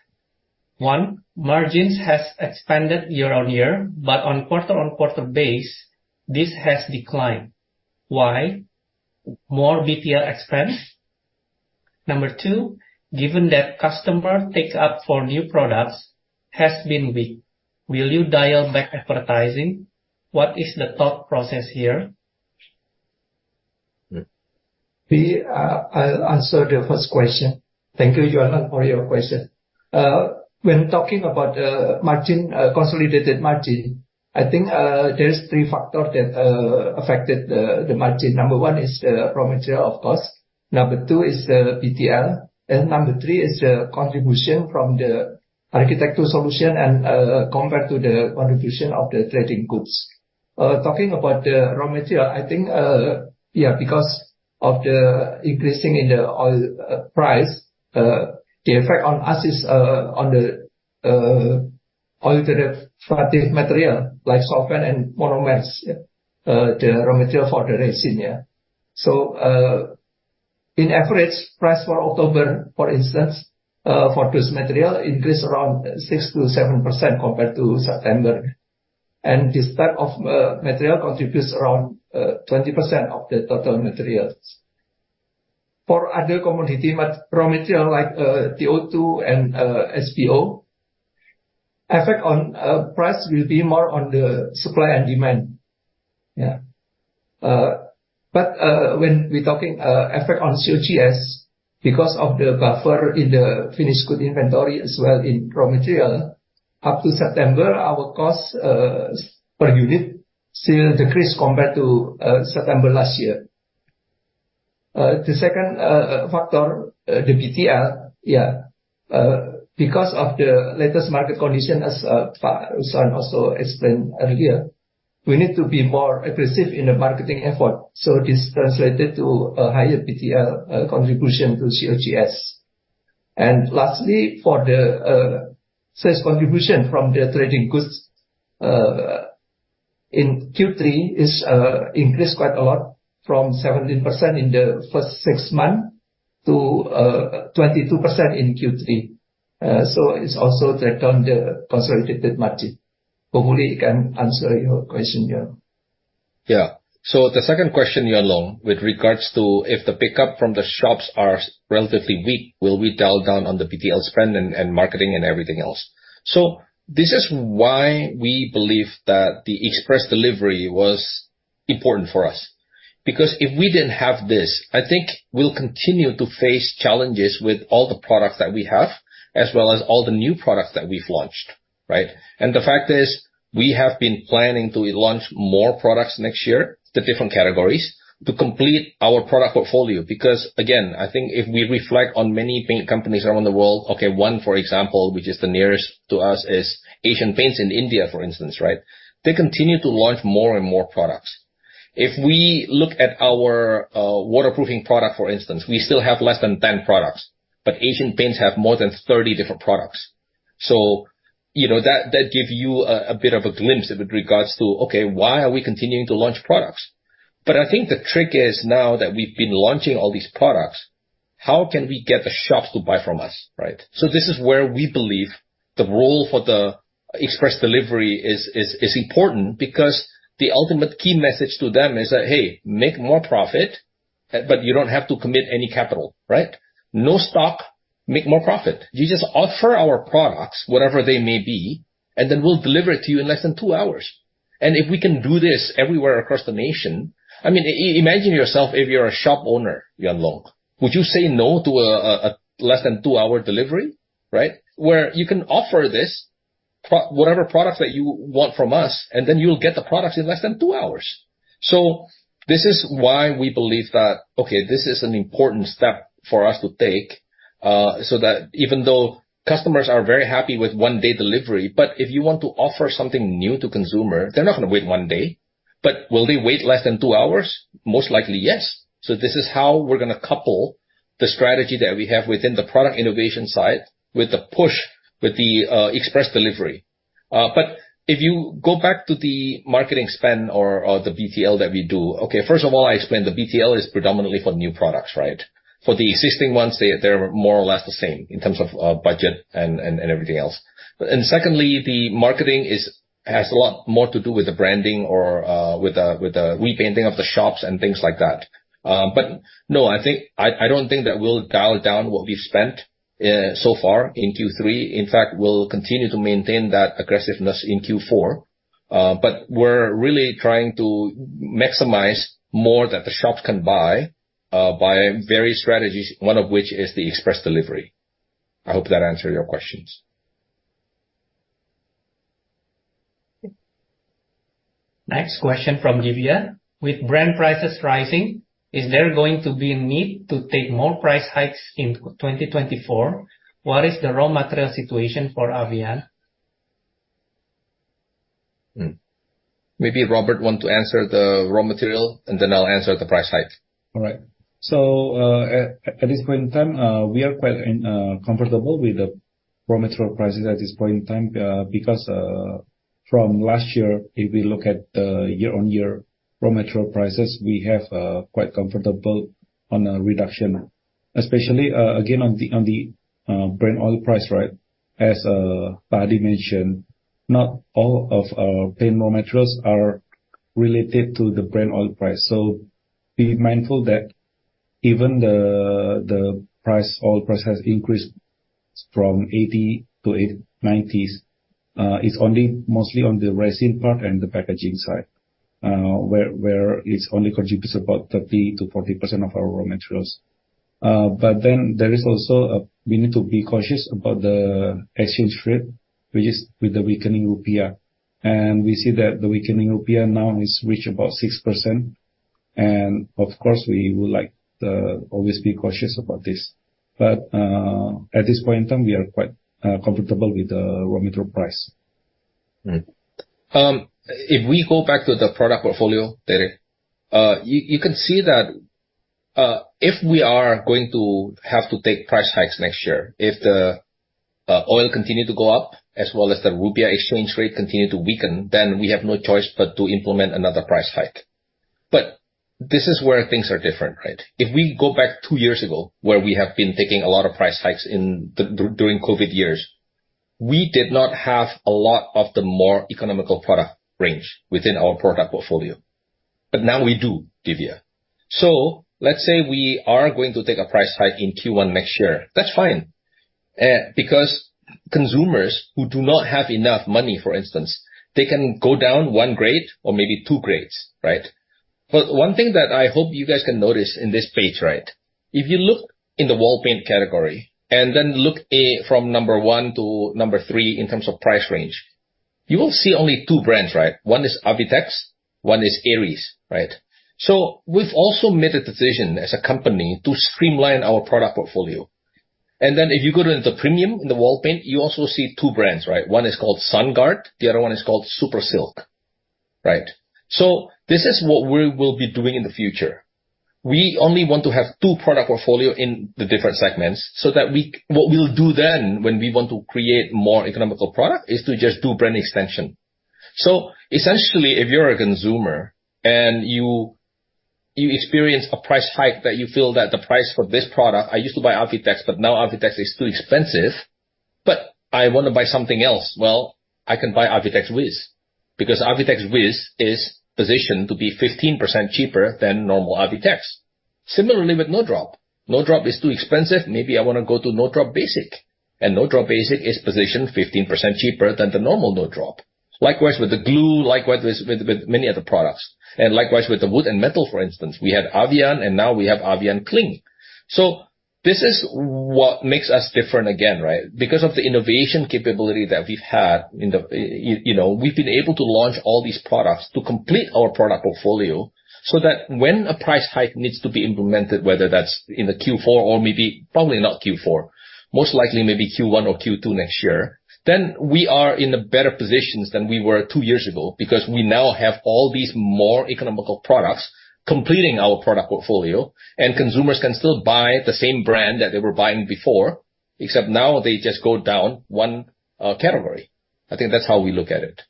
One, margins has expanded year-over-year, but on quarter-over-quarter basis, this has declined. Why? More BTL expense. Number two, given that customer take-up for new products has been weak, will you dial back advertising? What is the thought process here? I'll answer the first question. Thank you, Yuan Long, for your question. When talking about margin, consolidated margin, I think there's three factors that affected the margin. Number one is the raw material, of course. Number two is the BTL, and number three is the contribution from the architectural solution and compared to the contribution of the trading goods. Talking about the raw material, I think, yeah, because of the increasing in the oil price, the effect on us is on the oil derivative material, like SBO and monomers, the raw material for the resin. Yeah. So, in average price for October, for instance, for this material increased around 6%-7% compared to September. And this type of material contributes around 20% of the total materials. For other commodity, but raw material like, TiO2 and, SBO, effect on, price will be more on the supply and demand. Yeah. But when we're talking, effect on COGS, because of the buffer in the finished good inventory as well in raw material, up to September, our costs, per unit still decreased compared to, September last year. The second factor, the BTL, yeah. Because of the latest market condition, as, Pak Ruslan also explained earlier, we need to be more aggressive in the marketing effort, so this translated to a higher BTL, contribution to COGS. And lastly, for the, sales contribution from the trading goods, in Q3, it's, increased quite a lot from 17% in the first six months to, 22% in Q3. So it's also dragged on the consolidated margin. Hopefully, it can answer your question, Yuan. Yeah. So the second question, Yuan Long, with regards to if the pickup from the shops are relatively weak, will we dial down on the BTL spend and, and marketing and everything else? So this is why we believe that the express delivery was important for us. Because if we didn't have this, I think we'll continue to face challenges with all the products that we have, as well as all the new products that we've launched, right? And the fact is, we have been planning to launch more products next year to different categories to complete our product portfolio. Because, again, I think if we reflect on many paint companies around the world, okay, one, for example, which is the nearest to us, is Asian Paints in India, for instance, right? They continue to launch more and more products. If we look at our waterproofing product, for instance, we still have less than 10 products, but Asian Paints have more than 30 different products. So, you know, that give you a bit of a glimpse with regards to, okay, why are we continuing to launch products? But I think the trick is now that we've been launching all these products, how can we get the shops to buy from us, right? So this is where we believe the role for the express delivery is important because the ultimate key message to them is that, "Hey, make more profit, but you don't have to commit any capital," right? No stock, make more profit. You just offer our products, whatever they may be, and then we'll deliver it to you in less than two hours. And if we can do this everywhere across the nation... I mean, imagine yourself, if you're a shop owner, Yan Long, would you say no to a less than two-hour delivery, right? Where you can offer this whatever product that you want from us, and then you'll get the product in less than two hours. So this is why we believe that, okay, this is an important step for us to take, so that even though customers are very happy with one-day delivery, but if you want to offer something new to consumer, they're not gonna wait one day. But will they wait less than two hours? Most likely, yes. So this is how we're gonna couple the strategy that we have within the product innovation side with the push, with the express delivery. But if you go back to the marketing spend or the BTL that we do, okay, first of all, I explained the BTL is predominantly for new products, right? For the existing ones, they, they're more or less the same in terms of budget and everything else. And secondly, the marketing has a lot more to do with the branding or with the repainting of the shops and things like that. But no, I think I don't think that we'll dial down what we've spent so far in Q3. In fact, we'll continue to maintain that aggressiveness in Q4. But we're really trying to maximize more that the shops can buy by various strategies, one of which is the express delivery. I hope that answered your questions. Next question from Divya. With brand prices rising, is there going to be a need to take more price hikes in 2024? What is the raw material situation for Avian? Maybe Robert want to answer the raw material, and then I'll answer the price hike. All right. So, at this point in time, we are quite comfortable with the raw material prices at this point in time, because from last year, if we look at the year-on-year raw material prices, we have quite comfortable on a reduction. Especially, again, on the Brent oil price, right? As Pak Hadi mentioned, not all of our paint raw materials are related to the Brent oil price. So be mindful that even the oil price has increased from $80 to $89, it's only mostly on the resin part and the packaging side, where it's only contributes about 30%-40% of our raw materials. But then there is also we need to be cautious about the exchange rate, which is with the weakening rupiah. We see that the weakening rupiah now has reached about 6%, and of course, we would like to always be cautious about this. But, at this point in time, we are quite comfortable with the raw material price. If we go back to the product portfolio, there Terry, you can see that, if we are going to have to take price hikes next year, if the oil continue to go up, as well as the rupiah exchange rate continue to weaken, then we have no choice but to implement another price hike. But this is where things are different, right? If we go back two years ago, where we have been taking a lot of price hikes during COVID years, we did not have a lot of the more economical product range within our product portfolio, but now we do, Divya. So let's say we are going to take a price hike in Q1 next year, that's fine, because consumers who do not have enough money, for instance, they can go down one grade or maybe two grades, right? But one thing that I hope you guys can notice in this page, right, if you look in the wall paint category and then look from number one to number three in terms of price range, you will see only two brands, right? One is Avitex, one is Aries, right? So we've also made a decision as a company to streamline our product portfolio. And then if you go to the premium in the wall paint, you also see two brands, right? One is called Sunguard, the other one is called Supersilk, right? So this is what we will be doing in the future. We only want to have two product portfolio in the different segments, so that we, what we'll do then, when we want to create more economical product, is to just do brand extension. So essentially, if you're a consumer and you, you experience a price hike that you feel that the price for this product, "I used to buy Avitex, but now Avitex is too expensive, but I want to buy something else," well, I can buy Avitex Wiz, because Avitex Wiz is positioned to be 15% cheaper than normal Avitex... similarly, with No Drop. No Drop is too expensive. Maybe I want to go to No Drop Basic, and No Drop Basic is positioned 15% cheaper than the normal No Drop. Likewise, with the glue, likewise, with, with, with many other products, and likewise, with the wood and metal, for instance. We had Avian, and now we have Avian Cling. So this is what makes us different again, right? Because of the innovation capability that we've had in the, you know, we've been able to launch all these products to complete our product portfolio, so that when a price hike needs to be implemented, whether that's in the Q4 or maybe probably not Q4, most likely maybe Q1 or Q2 next year, then we are in a better positions than we were two years ago because we now have all these more economical products completing our product portfolio, and consumers can still buy the same brand that they were buying before, except now they just go down one category. I think that's how we look at it.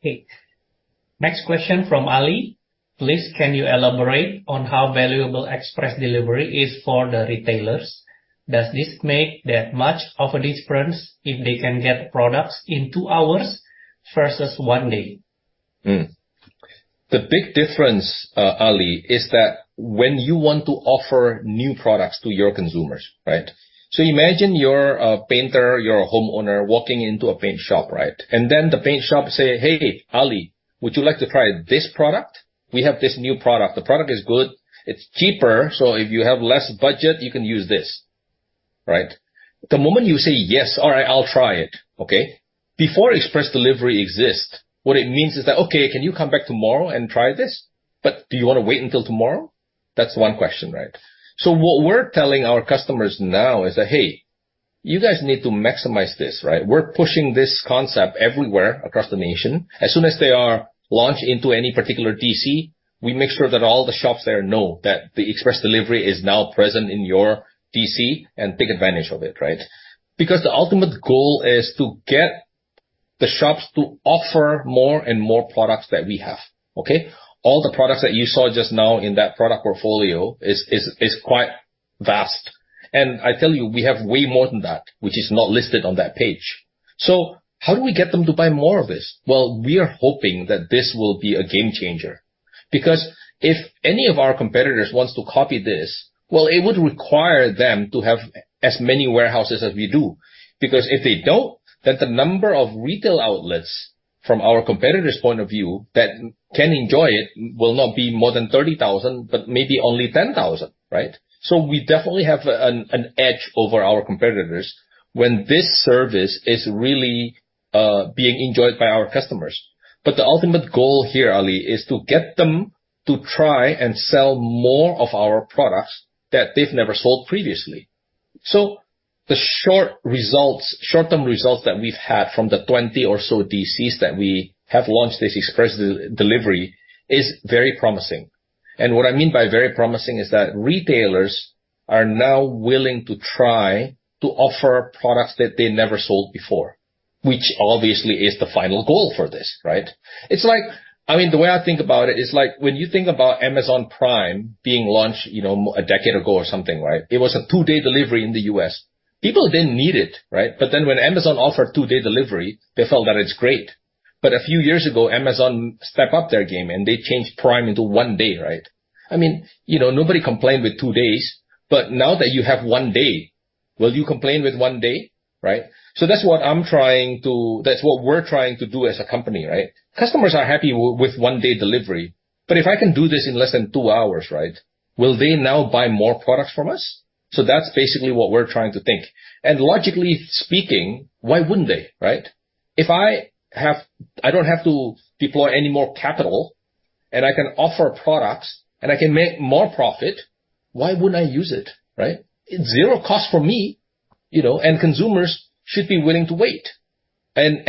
Okay. Next question from Ali. Please, can you elaborate on how valuable express delivery is for the retailers? Does this make that much of a difference if they can get products in two hours versus one day? The big difference, Ali, is that when you want to offer new products to your consumers, right? So imagine you're a painter, you're a homeowner walking into a paint shop, right? And then the paint shop say, "Hey, Ali, would you like to try this product? We have this new product. The product is good, it's cheaper, so if you have less budget, you can use this," right? The moment you say, "Yes. All right, I'll try it." Okay? Before express delivery exists, what it means is that, "Okay, can you come back tomorrow and try this? But do you want to wait until tomorrow?" That's one question, right? So what we're telling our customers now is that, "Hey, you guys need to maximize this," right? We're pushing this concept everywhere across the nation. As soon as they are launched into any particular DC, we make sure that all the shops there know that the express delivery is now present in your DC, and take advantage of it, right? Because the ultimate goal is to get the shops to offer more and more products that we have, okay? All the products that you saw just now in that product portfolio is quite vast. And I tell you, we have way more than that, which is not listed on that page. So how do we get them to buy more of this? Well, we are hoping that this will be a game changer, because if any of our competitors wants to copy this, well, it would require them to have as many warehouses as we do. Because if they don't, then the number of retail outlets from our competitor's point of view that can enjoy it will not be more than 30,000, but maybe only 10,000, right? So we definitely have an edge over our competitors when this service is really being enjoyed by our customers. But the ultimate goal here, Ali, is to get them to try and sell more of our products that they've never sold previously. So the short results, short-term results that we've had from the 20 or so DCs that we have launched this express delivery is very promising. And what I mean by very promising is that retailers are now willing to try to offer products that they never sold before, which obviously is the final goal for this, right? It's like... I mean, the way I think about it is like when you think about Amazon Prime being launched, you know, a decade ago or something, right? It was a two-day delivery in the U.S. People didn't need it, right? But then when Amazon offered two-day delivery, they felt that it's great. But a few years ago, Amazon stepped up their game, and they changed Prime into one day, right? I mean, you know, nobody complained with two days, but now that you have one day, will you complain with one day, right? So that's what we're trying to do as a company, right? Customers are happy with one day delivery, but if I can do this in less than two hours, right, will they now buy more products from us? So that's basically what we're trying to think. And logically speaking, why wouldn't they, right? If I have, I don't have to deploy any more capital, and I can offer products, and I can make more profit, why wouldn't I use it, right? It's zero cost for me, you know, and consumers should be willing to wait. And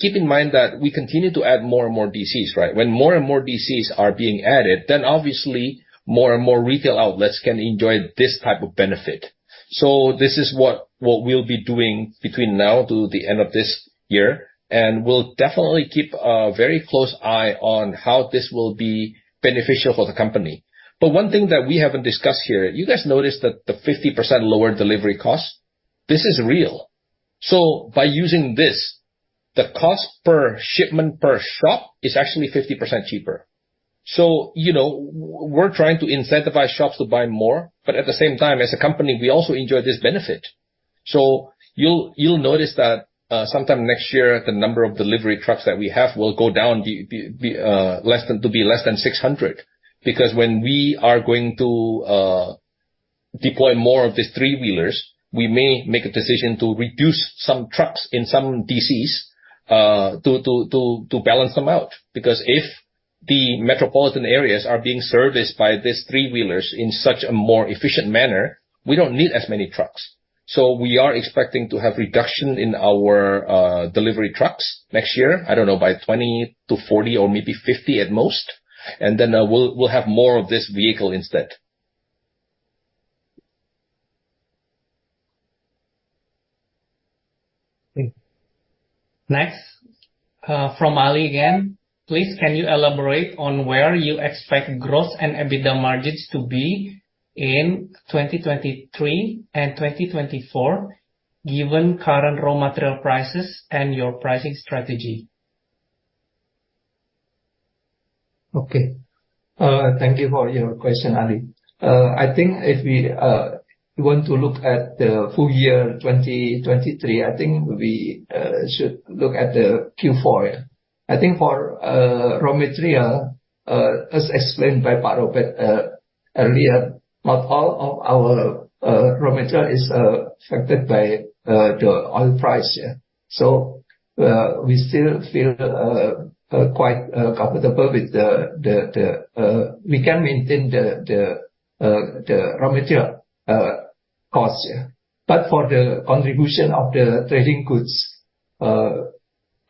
keep in mind that we continue to add more and more DCs, right? When more and more DCs are being added, then obviously more and more retail outlets can enjoy this type of benefit. So this is what we'll be doing between now to the end of this year, and we'll definitely keep a very close eye on how this will be beneficial for the company. But one thing that we haven't discussed here, you guys noticed that the 50% lower delivery cost, this is real. So by using this, the cost per shipment per shop is actually 50% cheaper. So you know, we're trying to incentivize shops to buy more, but at the same time, as a company, we also enjoy this benefit. So you'll notice that sometime next year, the number of delivery trucks that we have will go down to be less than 600. Because when we are going to deploy more of these three-wheelers, we may make a decision to reduce some trucks in some DCs to balance them out. Because if the metropolitan areas are being serviced by these three-wheelers in such a more efficient manner, we don't need as many trucks. So we are expecting to have reduction in our delivery trucks next year, I don't know, by 20-40 or maybe 50 at most, and then we'll have more of this vehicle instead. Great. Next, from Ali again. Please, can you elaborate on where you expect growth and EBITDA margins to be in 2023 and 2024? Given current raw material prices and your pricing strategy? Okay, thank you for your question, Ali. I think if we want to look at the full year 2023, I think we should look at the Q4. I think for raw material, as explained by Pak Robert earlier, not all of our raw material is affected by the oil price, yeah. So, we still feel quite comfortable with the we can maintain the raw material costs. But for the contribution of the trading goods,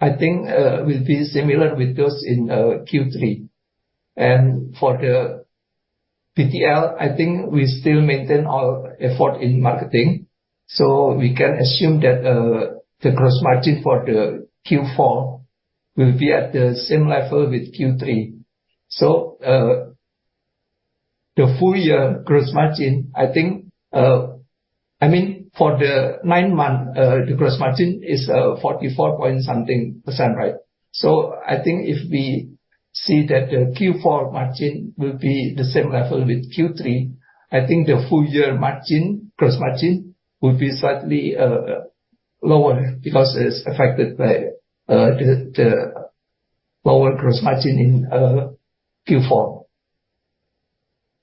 I think will be similar with those in Q3. And for the BTL, I think we still maintain our effort in marketing, so we can assume that the gross margin for the Q4 will be at the same level with Q3. So, the full year gross margin, I think... I mean, for the nine months, the gross margin is 44-point-something%, right? So I think if we see that the Q4 margin will be the same level with Q3, I think the full year margin, gross margin, will be slightly lower, because it's affected by the lower gross margin in Q4.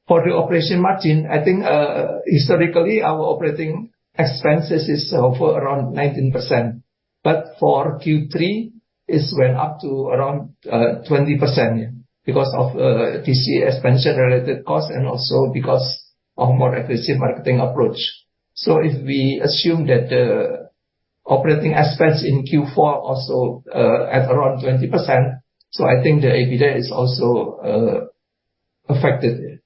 For the operating margin, I think historically, our operating expenses is over around 19%, but for Q3, it's went up to around 20% because of DC expansion-related costs and also because of more aggressive marketing approach. So if we assume that the operating expense in Q4 also at around 20%, so I think the EBITDA is also affected,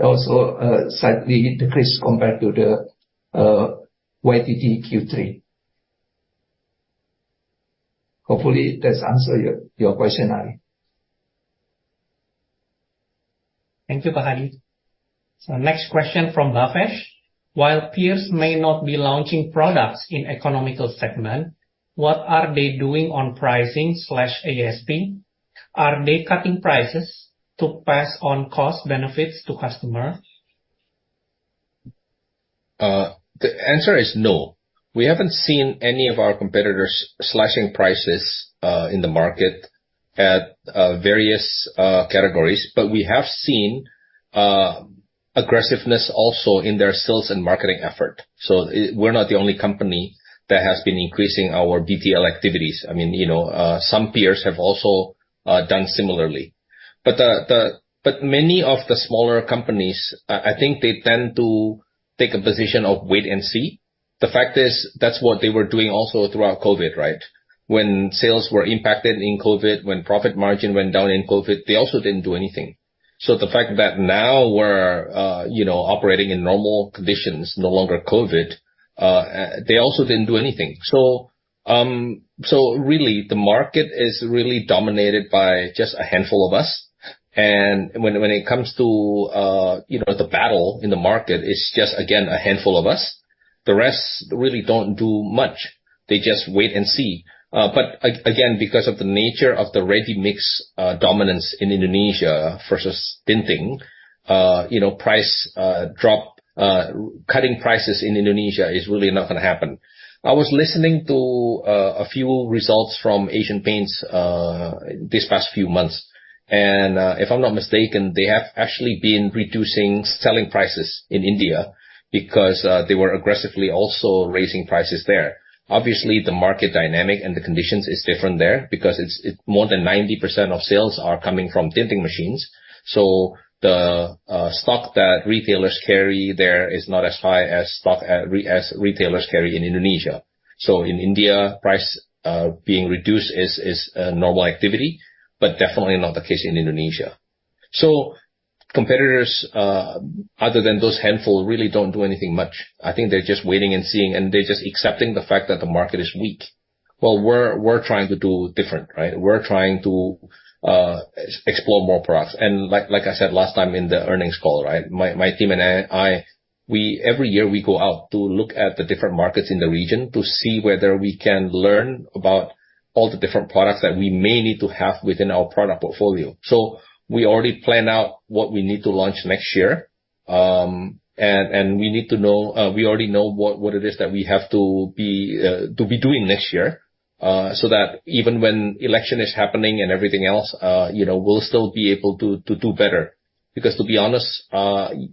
also slightly decreased compared to the YTD Q3. Hopefully, that's answer your question, Ali. Thank you, Pak Hadi. Next question from Bhavesh. While peers may not be launching products in economical segment, what are they doing on pricing/ASP? Are they cutting prices to pass on cost benefits to customers? The answer is no. We haven't seen any of our competitors slashing prices in the market at various categories. But we have seen aggressiveness also in their sales and marketing effort. So we're not the only company that has been increasing our BTL activities. I mean, you know, some peers have also done similarly. But many of the smaller companies, I think they tend to take a position of wait and see. The fact is, that's what they were doing also throughout COVID, right? When sales were impacted in COVID, when profit margin went down in COVID, they also didn't do anything. So the fact that now we're, you know, operating in normal conditions, no longer COVID, they also didn't do anything. So, so really, the market is really dominated by just a handful of us, and when it comes to, you know, the battle in the market, it's just, again, a handful of us. The rest really don't do much. They just wait and see. But again, because of the nature of the ready-mix dominance in Indonesia versus tinting, you know, price drop, cutting prices in Indonesia is really not gonna happen. I was listening to a few results from Asian Paints these past few months, and if I'm not mistaken, they have actually been reducing selling prices in India because they were aggressively also raising prices there. Obviously, the market dynamic and the conditions is different there because it's more than 90% of sales are coming from tinting machines. So the stock that retailers carry there is not as high as stock at retailers carry in Indonesia. So in India, price being reduced is a normal activity, but definitely not the case in Indonesia. So competitors, other than those handful, really don't do anything much. I think they're just waiting and seeing, and they're just accepting the fact that the market is weak. Well, we're trying to do different, right? We're trying to explore more products. And like I said, last time in the earnings call, right, my team and I, we every year, we go out to look at the different markets in the region to see whether we can learn about all the different products that we may need to have within our product portfolio. So we already plan out what we need to launch next year. And we need to know, we already know what it is that we have to be to be doing next year, so that even when election is happening and everything else, you know, we'll still be able to to do better. Because, to be honest,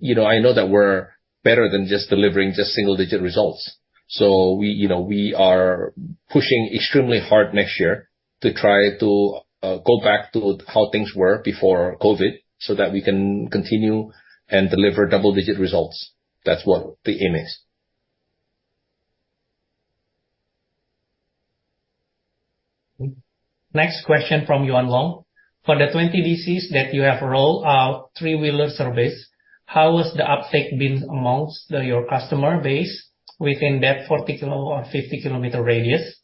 you know, I know that we're better than just delivering just single-digit results. So we, you know, we are pushing extremely hard next year to try to go back to how things were before COVID, so that we can continue and deliver double-digit results. That's what the aim is. Next question from Yuan Long. For the 20 DCs that you have rolled out three-wheeler service, how has the uptake been among the, your customer base within that 40km or 50km radius?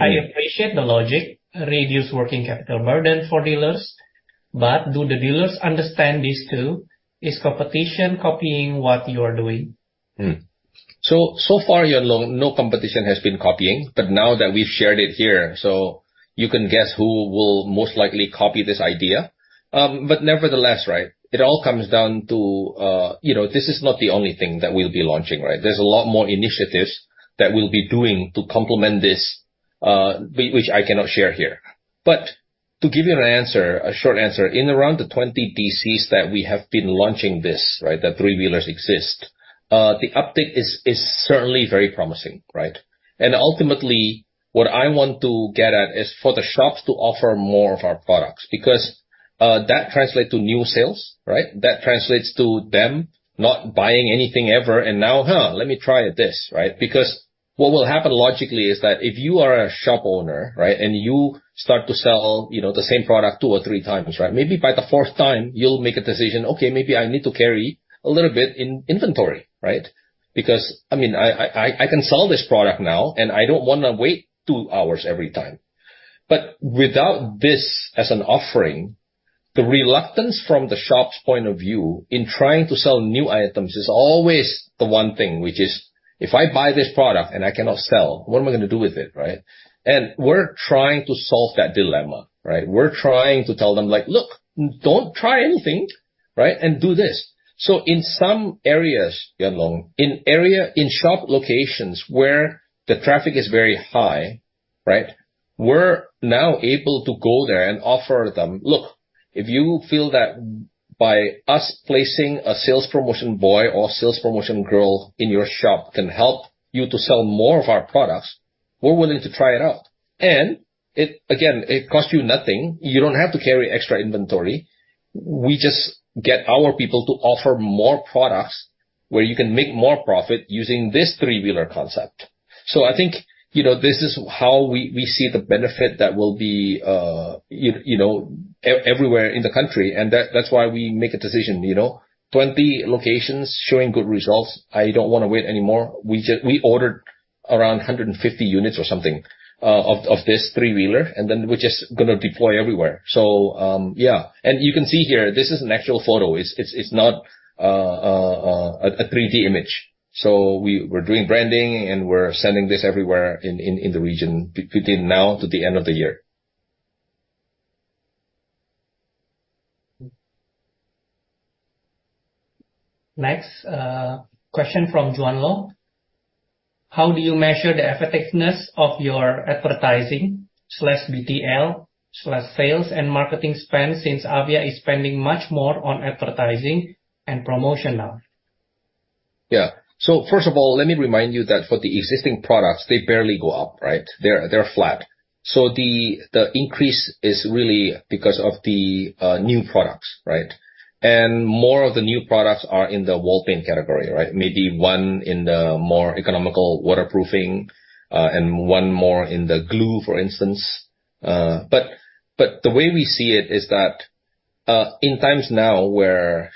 I appreciate the logic, reduce working capital burden for dealers.... But do the dealers understand this too? Is competition copying what you are doing? Mm-hmm. So, so far, Yuan Long, no competition has been copying, but now that we've shared it here, so you can guess who will most likely copy this idea. But nevertheless, right, it all comes down to, you know, this is not the only thing that we'll be launching, right? There's a lot more initiatives that we'll be doing to complement this, which I cannot share here. But to give you an answer, a short answer, in around the 20 DCs that we have been launching this, right, the three-wheelers exist, the uptake is certainly very promising, right? And ultimately, what I want to get at is for the shops to offer more of our products, because that translates to new sales, right? That translates to them not buying anything ever, and now, huh, let me try this, right? Because what will happen logically is that if you are a shop owner, right, and you start to sell, you know, the same product two or three times, right, maybe by the fourth time, you'll make a decision, "Okay, maybe I need to carry a little bit in inventory," right? Because, I mean, I can sell this product now, and I don't wanna wait two hours every time. But without this as an offering, the reluctance from the shop's point of view in trying to sell new items is always the one thing, which is, if I buy this product and I cannot sell, what am I gonna do with it, right? And we're trying to solve that dilemma, right? We're trying to tell them, like, "Look, don't try anything, right, and do this." So in some areas, Yuan Long, in area, in shop locations where the traffic is very high, right, we're now able to go there and offer them, "Look, if you feel that by us placing a sales promotion boy or sales promotion girl in your shop can help you to sell more of our products, we're willing to try it out." And it, again, it costs you nothing. You don't have to carry extra inventory. We just get our people to offer more products where you can make more profit using this three-wheeler concept. So I think, you know, this is how we, we see the benefit that will be, you know, everywhere in the country, and that's why we make a decision, you know, 20 locations showing good results. I don't wanna wait anymore. We just ordered around 150 units or something of this three-wheeler, and then we're just gonna deploy everywhere. So, yeah, and you can see here, this is an actual photo. It's not a 3D image. So we're doing branding, and we're sending this everywhere in the region between now to the end of the year. Next, question from Yuan Long. How do you measure the effectiveness of your advertising slash BTL slash sales and marketing spend, since Avia is spending much more on advertising and promotion now? Yeah. So first of all, let me remind you that for the existing products, they barely go up, right? They're flat. So the increase is really because of the new products, right? And more of the new products are in the wall paint category, right? Maybe one in the more economical waterproofing, and one more in the glue, for instance. But the way we see it is that, in times now, where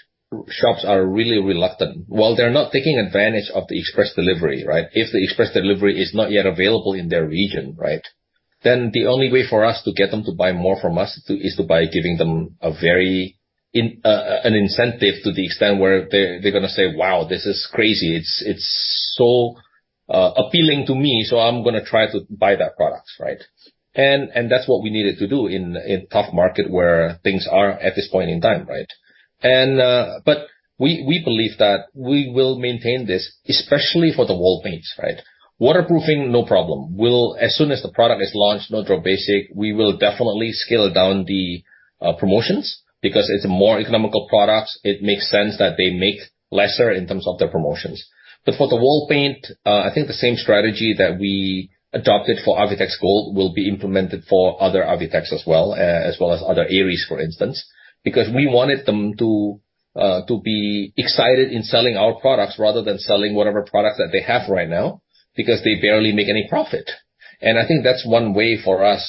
shops are really reluctant, while they're not taking advantage of the express delivery, right? If the express delivery is not yet available in their region, right, then the only way for us to get them to buy more from us to, is to by giving them a very, an incentive to the extent where they're gonna say, "Wow, this is crazy. It's so appealing to me, so I'm gonna try to buy that product," right? And that's what we needed to do in a tough market where things are at this point in time, right? But we believe that we will maintain this, especially for the wall paints, right? Waterproofing, no problem. We'll as soon as the product is launched, No Drop Basic, we will definitely scale down the promotions, because it's a more economical product. It makes sense that they make lesser in terms of their promotions. But for the wall paint, I think the same strategy that we adopted for Avitex Gold will be implemented for other Avitex as well, as well as other Aries, for instance, because we wanted them to be excited in selling our products rather than selling whatever products that they have right now, because they barely make any profit. And I think that's one way for us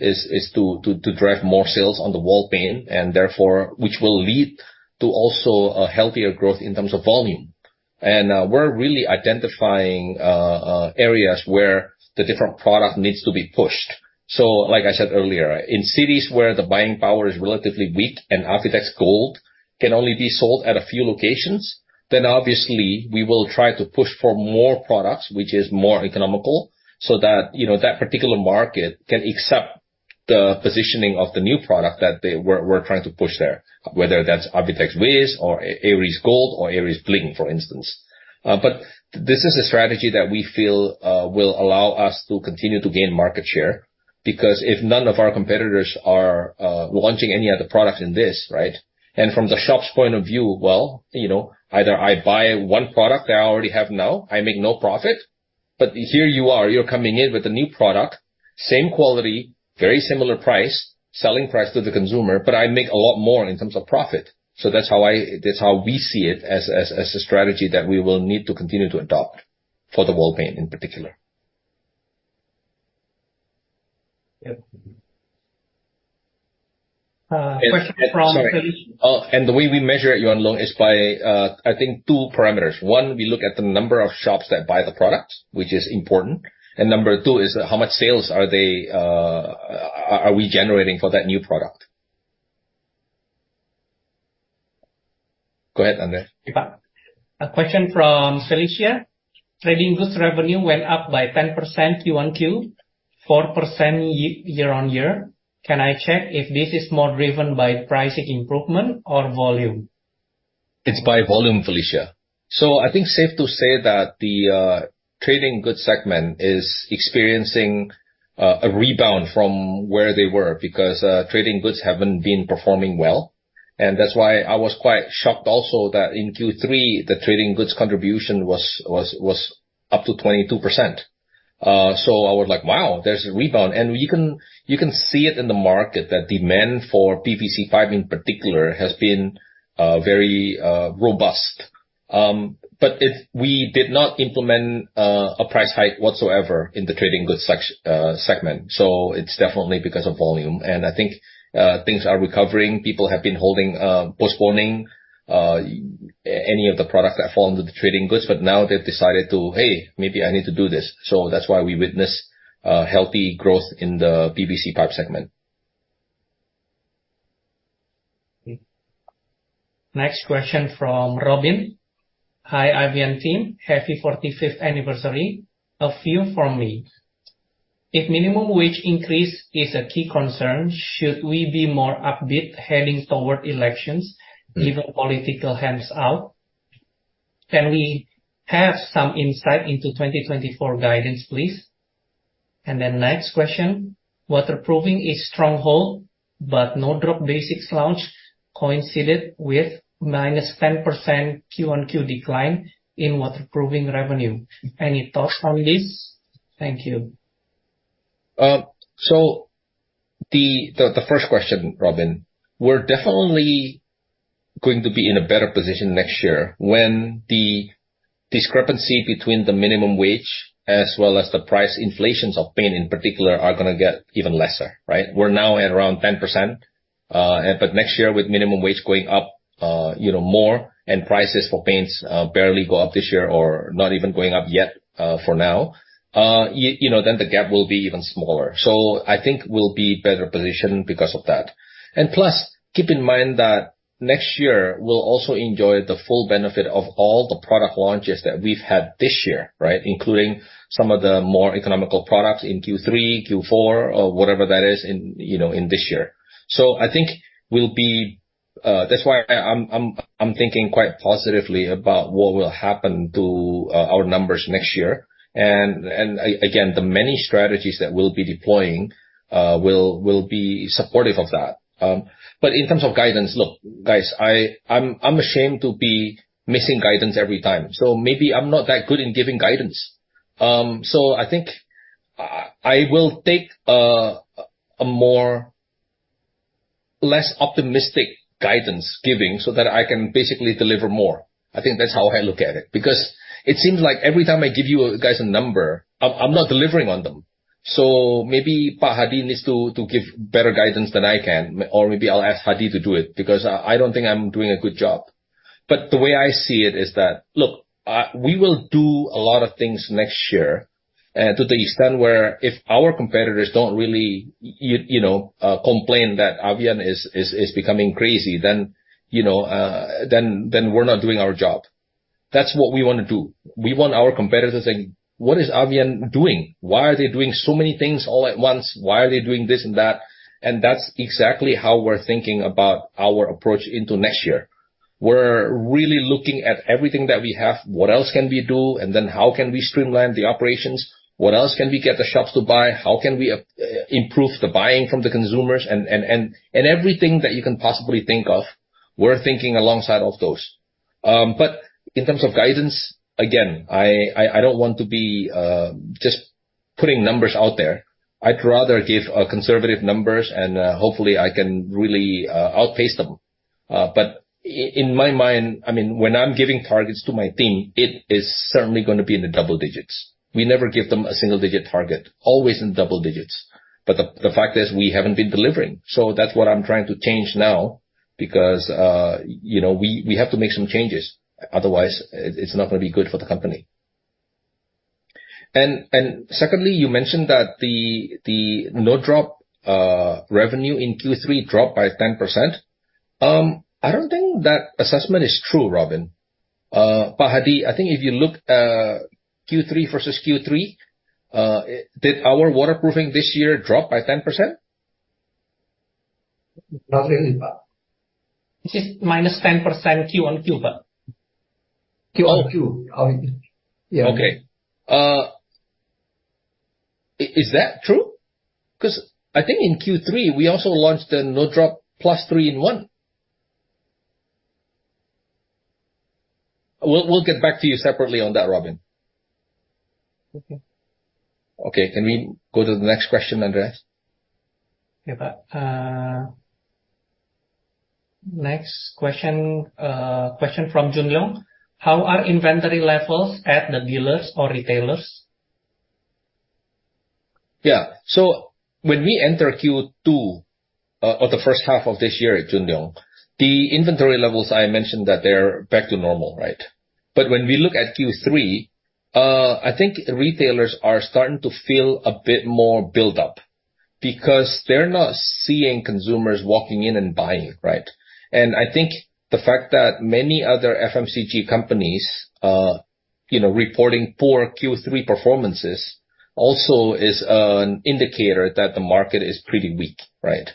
is to drive more sales on the wall paint, and therefore, which will lead to also a healthier growth in terms of volume. And we're really identifying areas where the different product needs to be pushed. So like I said earlier, in cities where the buying power is relatively weak and Avitex Gold can only be sold at a few locations, then obviously we will try to push for more products, which is more economical, so that, you know, that particular market can accept the positioning of the new product that we're trying to push there, whether that's Avitex Base or Aries Gold or Aries Bling, for instance. But this is a strategy that we feel will allow us to continue to gain market share, because if none of our competitors are launching any other products in this, right, and from the shop's point of view, well, you know, either I buy one product that I already have now, I make no profit, but here you are, you're coming in with a new product, same quality, very similar price, selling price to the consumer, but I make a lot more in terms of profit. So that's how we see it as, as, as a strategy that we will need to continue to adopt for the wall paint in particular. Yep. Question from- Sorry. Oh, and the way we measure it, Yuan Long, is by, I think two parameters. One, we look at the number of shops that buy the product, which is important, and number two is how much sales are they, are we generating for that new product? Go ahead, Andreas. Okay, Pak. A question from Felicia. Trading goods revenue went up by 10% Q on Q, 4% year-on-year. Can I check if this is more driven by pricing improvement or volume? It's by volume, Felicia. So I think safe to say that the trading goods segment is experiencing a rebound from where they were, because trading goods haven't been performing well. And that's why I was quite shocked also that in Q3, the trading goods contribution was up to 22%. So I was like, "Wow, there's a rebound!" And you can see it in the market, that demand for PVC pipe, in particular, has been very robust. But if we did not implement a price hike whatsoever in the trading goods segment, so it's definitely because of volume. And I think things are recovering. People have been holding, postponing any of the products that fall under the trading goods, but now they've decided to, "Hey, maybe I need to do this." So that's why we witness a healthy growth in the PVC pipe segment. Next question from Robin. Hi, Avian team. Happy 45th anniversary. A few from me. If minimum wage increase is a key concern, should we be more upbeat heading toward elections- Mm. Given political handouts? Can we have some insight into 2024 guidance, please? And then next question, waterproofing is stronghold, but No Drop Basic launch coincided with -10% Q-on-Q decline in waterproofing revenue. Any thoughts on this? Thank you. So the first question, Robin, we're definitely going to be in a better position next year when the discrepancy between the minimum wage, as well as the price inflations of paint in particular, are gonna get even lesser, right? We're now at around 10%, but next year, with minimum wage going up, you know, more, and prices for paints, barely go up this year or not even going up yet, for now, you know, then the gap will be even smaller. So I think we'll be better positioned because of that. And plus, keep in mind that next year, we'll also enjoy the full benefit of all the product launches that we've had this year, right? Including some of the more economical products in Q3, Q4 or whatever that is in, you know, in this year. So I think we'll be. That's why I'm thinking quite positively about what will happen to our numbers next year. And again, the many strategies that we'll be deploying will be supportive of that. But in terms of guidance, look, guys, I'm ashamed to be missing guidance every time, so maybe I'm not that good in giving guidance. So I think I will take a more less optimistic guidance giving so that I can basically deliver more. I think that's how I look at it. Because it seems like every time I give you guys a number, I'm not delivering on them, so maybe Pak Hadi needs to give better guidance than I can, or maybe I'll ask Hadi to do it, because I don't think I'm doing a good job. But the way I see it is that, look, we will do a lot of things next year, to the extent where if our competitors don't really you know complain that Avian is becoming crazy, then, you know, then we're not doing our job. That's what we want to do. We want our competitors to say: "What is Avian doing? Why are they doing so many things all at once? Why are they doing this and that?" And that's exactly how we're thinking about our approach into next year. We're really looking at everything that we have, what else can we do, and then how can we streamline the operations? What else can we get the shops to buy? How can we improve the buying from the consumers? Everything that you can possibly think of, we're thinking alongside of those. But in terms of guidance, again, I don't want to be just putting numbers out there. I'd rather give conservative numbers, and hopefully I can really outpace them. But in my mind, I mean, when I'm giving targets to my team, it is certainly gonna be in the double digits. We never give them a single-digit target, always in double digits. But the fact is, we haven't been delivering, so that's what I'm trying to change now, because you know, we have to make some changes, otherwise it's not gonna be good for the company. And secondly, you mentioned that the No Drop revenue in Q3 dropped by 10%. I don't think that assessment is true, Robin. Pak Hadi, I think if you look, Q3 versus Q3, did our waterproofing this year drop by 10%? Not really, Pak. It is -10% Q-on-Q, Pak. Q-on-Q, oh, yeah. Okay. Is that true? Because I think in Q3, we also launched the No Drop 3-in-1. We'll get back to you separately on that, Robin. Okay. Okay. Can we go to the next question, Andreas? Yeah, Pak. Next question, question from Jun Yong: How are inventory levels at the dealers or retailers? Yeah. So when we enter Q2, or the first half of this year, Jun Yong, the inventory levels, I mentioned that they're back to normal, right? But when we look at Q3, I think retailers are starting to feel a bit more built up... because they're not seeing consumers walking in and buying, right? And I think the fact that many other FMCG companies, you know, reporting poor Q3 performances, also is an indicator that the market is pretty weak, right?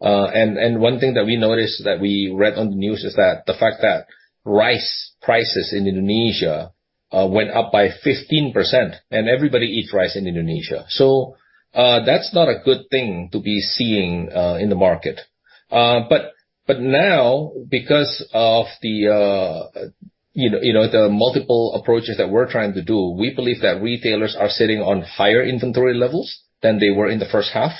And, and one thing that we noticed that we read on the news is that the fact that rice prices in Indonesia went up by 15%, and everybody eats rice in Indonesia. So, that's not a good thing to be seeing in the market. But now, because of the, you know, the multiple approaches that we're trying to do, we believe that retailers are sitting on higher inventory levels than they were in the first half.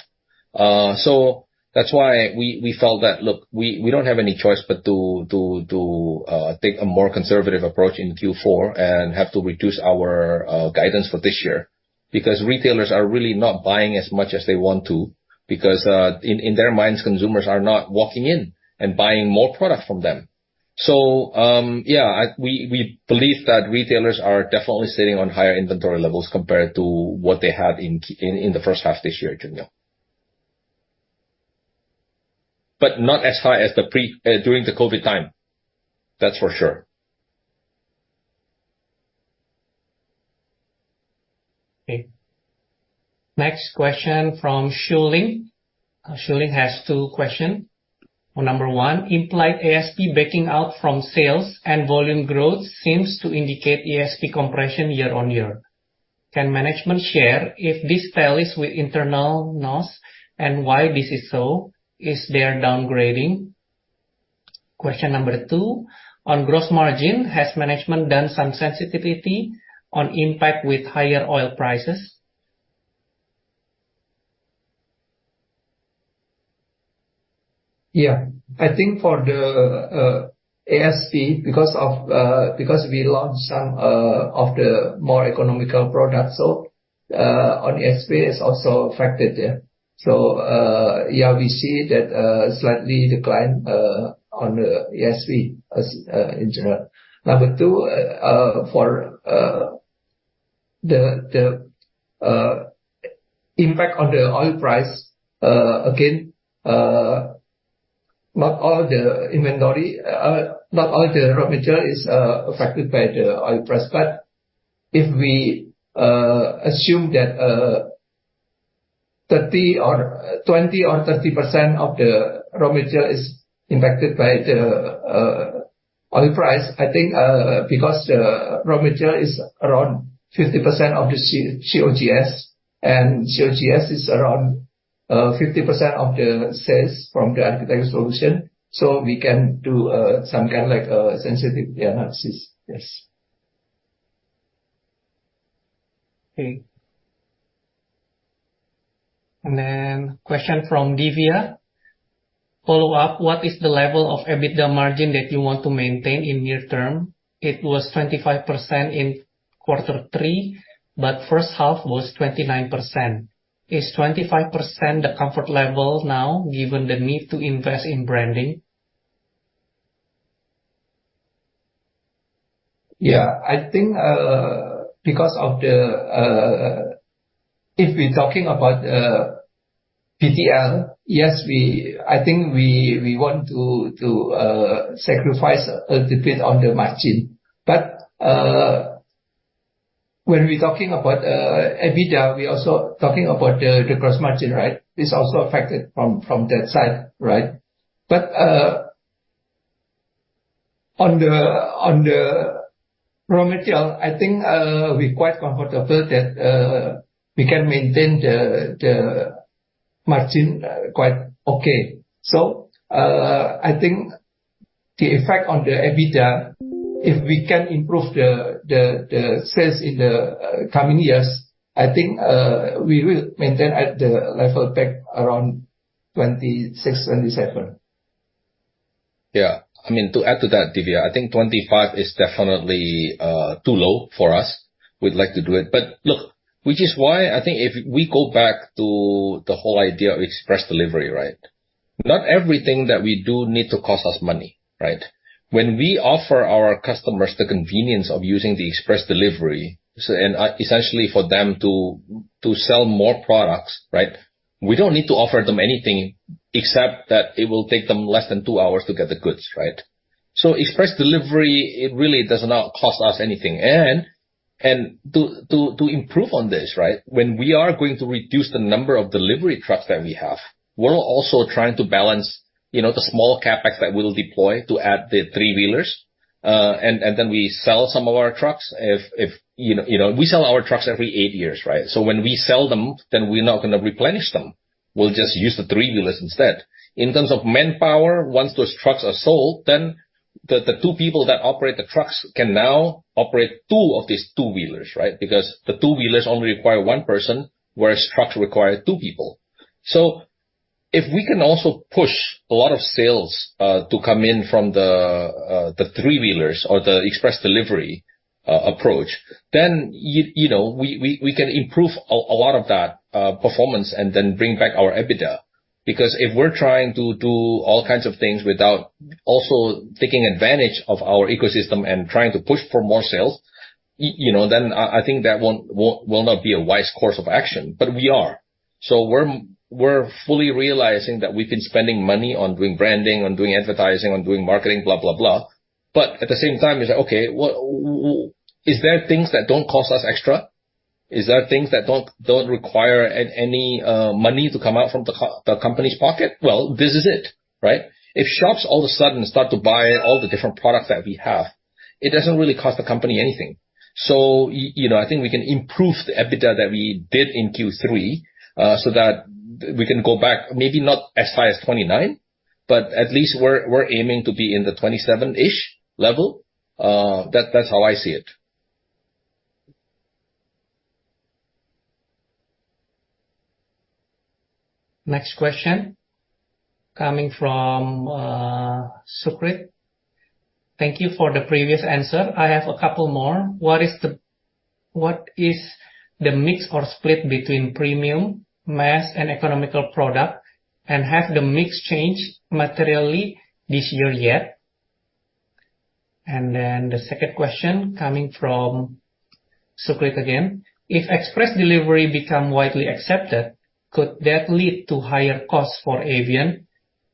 So that's why we felt that, look, we don't have any choice but to take a more conservative approach in Q4 and have to reduce our guidance for this year. Because retailers are really not buying as much as they want to, because in their minds, consumers are not walking in and buying more product from them. So, yeah, we believe that retailers are definitely sitting on higher inventory levels compared to what they had in the first half this year, Jun Yong. But not as high as pre-COVID during the COVID time. That's for sure. Okay. Next question from Shuling. Shuling has two question. Number one, "Implied ASP backing out from sales and volume growth seems to indicate ASP compression year-over-year. Can management share if this tallies with internal numbers, and why this is so? Is there downgrading?" Question number two: "On gross margin, has management done some sensitivity on impact with higher oil prices? Yeah. I think for the ASP, because of because we launched some of the more economical products, so on ASP is also affected, yeah. So yeah, we see that slightly decline on the ASP, as in general. Number two, for the the impact on the oil price, again, not all the inventory, not all the raw material is affected by the oil price. But if we assume that 30 or 20 or 30% of the raw material is impacted by the oil price, I think because the raw material is around 50% of the COGS, and COGS is around 50% of the sales from the architecture solution, so we can do some kind of like sensitivity analysis. Yes. Okay. And then question from Divya. "Follow up, what is the level of EBITDA margin that you want to maintain in near term? It was 25% in quarter three, but first half was 29%. Is 25% the comfort level now, given the need to invest in branding? Yeah. I think, because of the... If we're talking about PTL, yes, I think we want to sacrifice a little bit on the margin. But, when we're talking about EBITDA, we're also talking about the gross margin, right? It's also affected from that side, right? But, on the raw material, I think we're quite comfortable that we can maintain the margin quite okay. So, I think the effect on the EBITDA, if we can improve the sales in the coming years, I think we will maintain at the level back around 26-27. Yeah. I mean, to add to that, Divya, I think 25 is definitely too low for us. We'd like to do it. But look, which is why I think if we go back to the whole idea of express delivery, right? Not everything that we do needs to cost us money, right? When we offer our customers the convenience of using the express delivery, so and essentially for them to sell more products, right, we don't need to offer them anything except that it will take them less than two hours to get the goods, right? So express delivery, it really does not cost us anything. And to improve on this, right, when we are going to reduce the number of delivery trucks that we have, we're also trying to balance, you know, the small CapEx that we'll deploy to add the three-wheelers. And then we sell some of our trucks if... You know, we sell our trucks every eight years, right? So when we sell them, then we're not gonna replenish them. We'll just use the three-wheelers instead. In terms of manpower, once those trucks are sold, then the two people that operate the trucks can now operate two of these two-wheelers, right? Because the two-wheelers only require one person, whereas trucks require two people. So if we can also push a lot of sales to come in from the three-wheelers or the express delivery approach, then you know, we can improve a lot of that performance and then bring back our EBITDA. Because if we're trying to do all kinds of things without also taking advantage of our ecosystem and trying to push for more sales... You know, then I think that will not be a wise course of action, but we are. So we're fully realizing that we've been spending money on doing branding, on doing advertising, on doing marketing, blah, blah, blah. But at the same time, it's like, okay, what is there things that don't cost us extra? Is there things that don't require any money to come out from the company's pocket? Well, this is it, right? If shops all of a sudden start to buy all the different products that we have, it doesn't really cost the company anything. So you know, I think we can improve the EBITDA that we did in Q3, so that we can go back, maybe not as high as 29, but at least we're aiming to be in the 27-ish level. That's how I see it. Next question, coming from Sukrit. Thank you for the previous answer. I have a couple more. What is the... What is the mix or split between premium, mass, and economical product? And has the mix changed materially this year yet? And then the second question coming from Sukrit again. If express delivery become widely accepted, could that lead to higher costs for Avian?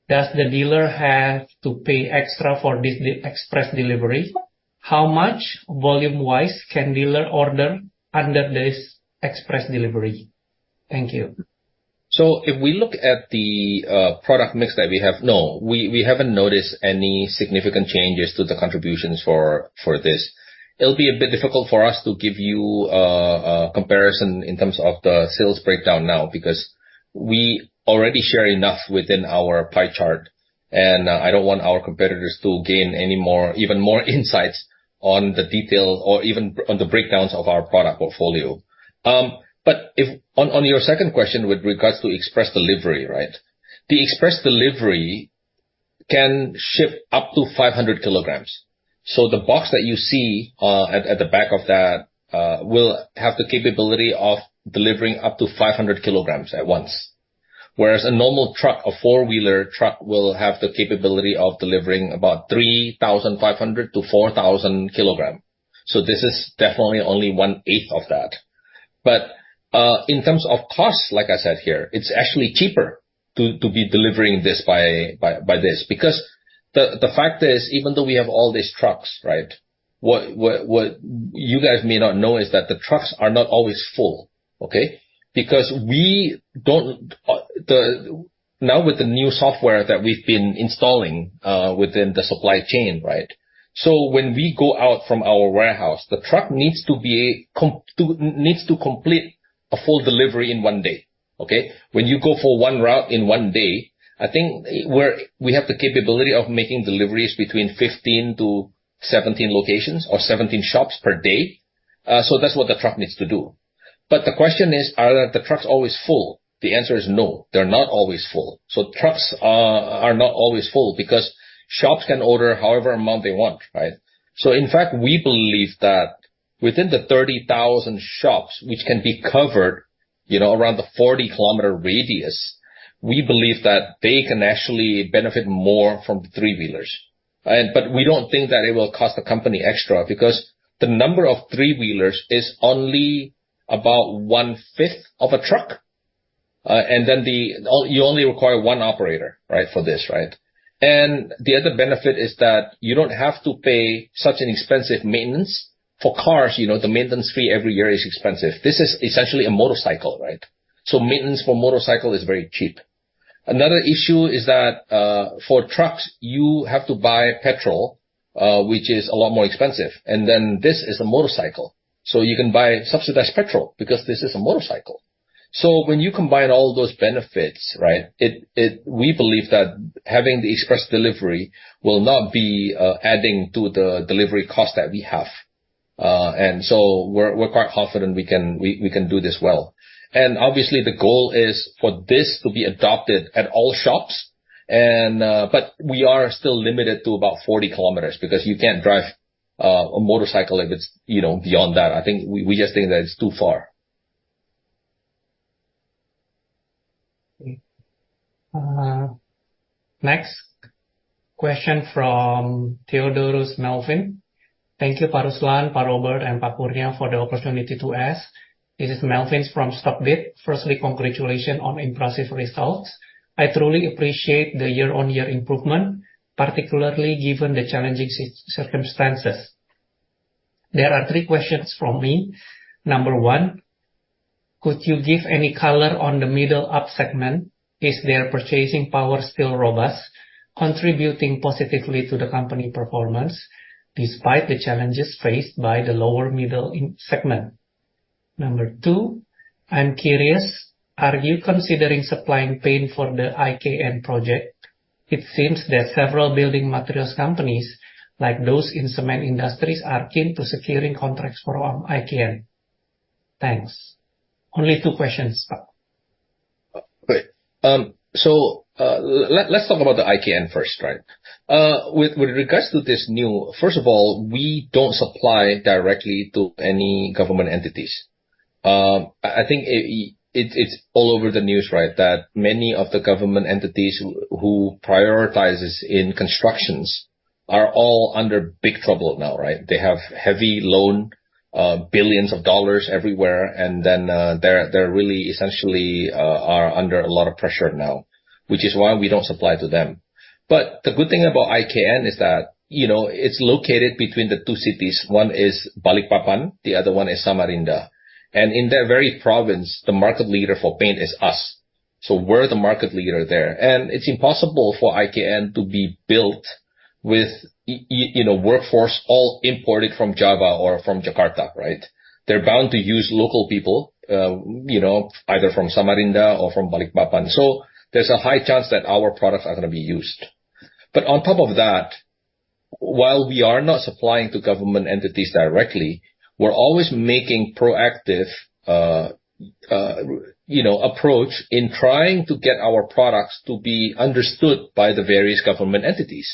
Does the dealer have to pay extra for this, the express delivery? How much, volume-wise, can dealer order under this express delivery? Thank you. So if we look at the product mix that we have, no, we haven't noticed any significant changes to the contributions for this. It'll be a bit difficult for us to give you a comparison in terms of the sales breakdown now, because we already share enough within our pie chart, and I don't want our competitors to gain any more, even more insights on the detail or even on the breakdowns of our product portfolio. But if... On your second question with regards to express delivery, right? The express delivery can ship up to 500 kilograms. So the box that you see at the back of that will have the capability of delivering up to 500 kilograms at once. Whereas a normal truck, a four-wheeler truck, will have the capability of delivering about 3,500-4,000 kilograms. So this is definitely only one-eighth of that. But in terms of cost, like I said here, it's actually cheaper to be delivering this by this. Because the fact is, even though we have all these trucks, right, what you guys may not know is that the trucks are not always full, okay? Because we don't, the... Now, with the new software that we've been installing within the supply chain, right? So when we go out from our warehouse, the truck needs to complete a full delivery in one day, okay? When you go for one route in one day, I think we have the capability of making deliveries between 15-17 locations or 17 shops per day. So that's what the truck needs to do. But the question is, are the trucks always full? The answer is no, they're not always full. So trucks are not always full because shops can order however amount they want, right? So in fact, we believe that within the 30,000 shops, which can be covered, you know, around the 40-kilometer radius, we believe that they can actually benefit more from three-wheelers. And, but we don't think that it will cost the company extra, because the number of three-wheelers is only about one-fifth of a truck. And then, you only require one operator, right, for this, right? The other benefit is that you don't have to pay such an expensive maintenance. For cars, you know, the maintenance fee every year is expensive. This is essentially a motorcycle, right? So maintenance for motorcycle is very cheap. Another issue is that for trucks, you have to buy petrol, which is a lot more expensive, and then this is a motorcycle. So you can buy subsidized petrol because this is a motorcycle. So when you combine all those benefits, right, we believe that having the express delivery will not be adding to the delivery cost that we have. And so we're quite confident we can do this well. And obviously, the goal is for this to be adopted at all shops and... But we are still limited to about 40km because you can't drive a motorcycle if it's, you know, beyond that. I think we just think that it's too far. Next question from Theodorus Melvin. Thank you, Ruslan, Robert, and Pak Kurnia, for the opportunity to ask. This is Melvin from StockBit. Firstly, congratulations on impressive results. I truly appreciate the year-on-year improvement, particularly given the challenging circumstances. There are three questions from me. Number one, could you give any color on the middle up segment? Is their purchasing power still robust, contributing positively to the company performance despite the challenges faced by the lower-middle income segment? Number two, I'm curious, are you considering supplying paint for the IKN project? It seems that several building materials companies, like those in cement industries, are keen to securing contracts from IKN. Thanks. Only two questions. Great. So, let's talk about the IKN first, right? With regards to this new... First of all, we don't supply directly to any government entities. I think it's all over the news, right? That many of the government entities who prioritizes in constructions are all under big trouble now, right? They have heavy loan, $ billions everywhere, and then, they're really essentially are under a lot of pressure now, which is why we don't supply to them. But the good thing about IKN is that, you know, it's located between the two cities. One is Balikpapan, the other one is Samarinda. And in that very province, the market leader for paint is us, so we're the market leader there. It's impossible for IKN to be built with you know, workforce all imported from Java or from Jakarta, right? They're bound to use local people, you know, either from Samarinda or from Balikpapan. So there's a high chance that our products are gonna be used. But on top of that, while we are not supplying to government entities directly, we're always making proactive, you know, approach in trying to get our products to be understood by the various government entities.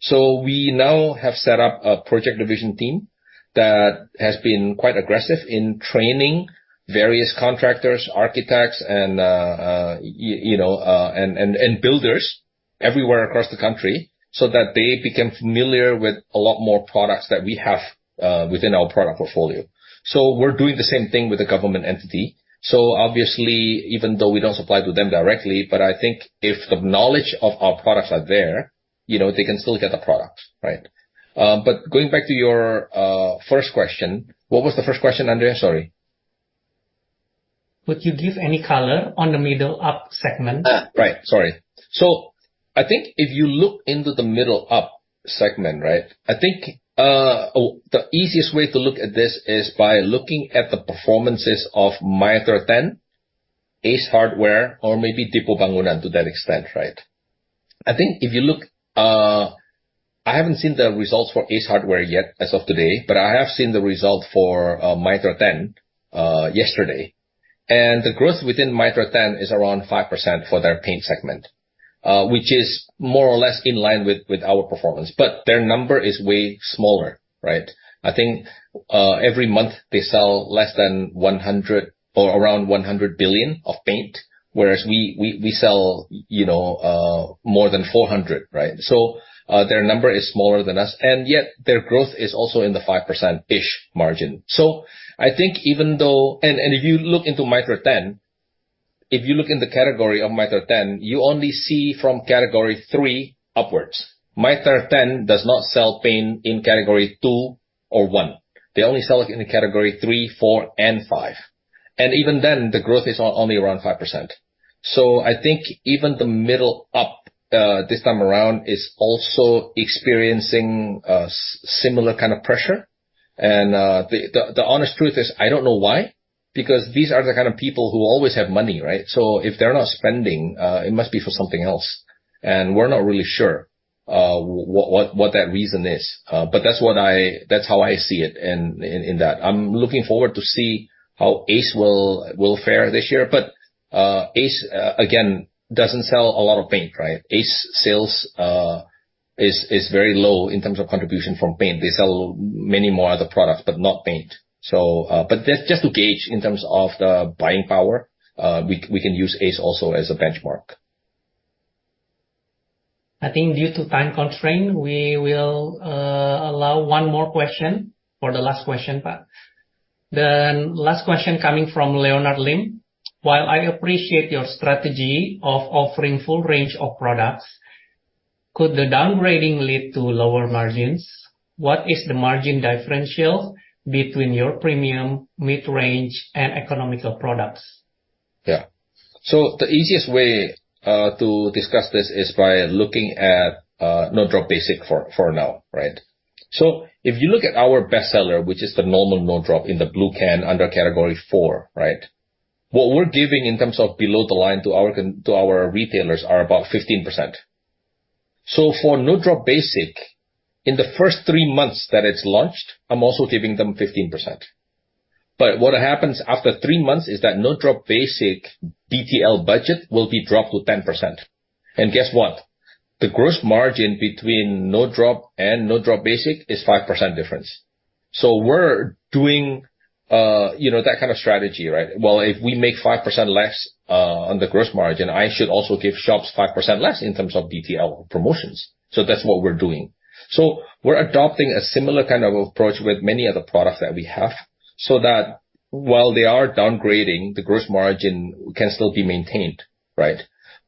So we now have set up a project division team that has been quite aggressive in training various contractors, architects, and, you know, builders everywhere across the country, so that they become familiar with a lot more products that we have, within our product portfolio. So we're doing the same thing with the government entity. So obviously, even though we don't supply to them directly, but I think if the knowledge of our products are there, you know, they can still get the products, right? But going back to your first question, what was the first question, Andrea? Sorry. Would you give any color on the middle up segment? Right. Sorry. So I think if you look into the middle up segment, right? I think, oh, the easiest way to look at this is by looking at the performances of Mitra10, ACE Hardware, or maybe Depo Bangunan to that extent, right? I think if you look... I haven't seen the results for ACE Hardware yet as of today, but I have seen the result for, Mitra10, yesterday. And the growth within Mitra10 is around 5% for their paint segment, which is more or less in line with, with our performance. But their number is way smaller, right? I think, every month they sell less than one hundred... or around 100 billion of paint, whereas we, we, we sell, you know, more than 400 billion, right? So, their number is smaller than us, and yet their growth is also in the 5%-ish margin. So I think even though... And, if you look into Mitra10, if you look in the category of Mitra10, you only see from category three upwards. Mitra10 does not sell paint in category two or one. They only sell it in the category three, four, and five, and even then, the growth is only around 5%. So I think even the middle-up, this time around, is also experiencing a similar kind of pressure. And, the honest truth is, I don't know why, because these are the kind of people who always have money, right? So if they're not spending, it must be for something else, and we're not really sure what that reason is. But that's how I see it in that. I'm looking forward to see how ACE will fare this year. But ACE, again, doesn't sell a lot of paint, right? ACE sales is very low in terms of contribution from paint. They sell many more other products, but not paint. So, but just to gauge in terms of the buying power, we can use ACE also as a benchmark. I think due to time constraint, we will allow one more question for the last question, but the last question coming from Leonard Lim: "While I appreciate your strategy of offering full range of products, could the downgrading lead to lower margins? What is the margin differential between your premium, mid-range, and economical products? Yeah. So the easiest way to discuss this is by looking at No Drop Basic for, for now, right? So if you look at our bestseller, which is the normal No Drop in the blue can under category four, right? What we're giving in terms of below the line to our retailers is about 15%. So for No Drop Basic, in the first three months that it's launched, I'm also giving them 15%. But what happens after three months is that No Drop Basic BTL budget will be dropped to 10%. And guess what? The gross margin between No Drop and No Drop Basic is 5% difference. So we're doing, you know, that kind of strategy, right? Well, if we make 5% less on the gross margin, I should also give shops 5% less in terms of BTL promotions. So that's what we're doing. So we're adopting a similar kind of approach with many other products that we have, so that while they are downgrading, the gross margin can still be maintained, right?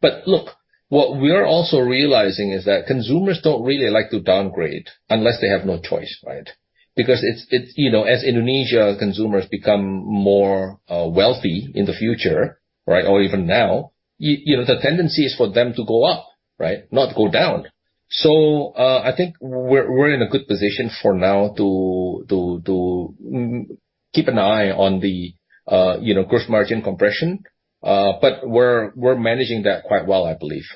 But look, what we're also realizing is that consumers don't really like to downgrade unless they have no choice, right? Because it's you know, as Indonesian consumers become more wealthy in the future, right, or even now, you know, the tendency is for them to go up, right? Not go down. So I think we're in a good position for now to keep an eye on the you know, gross margin compression. But we're managing that quite well, I believe.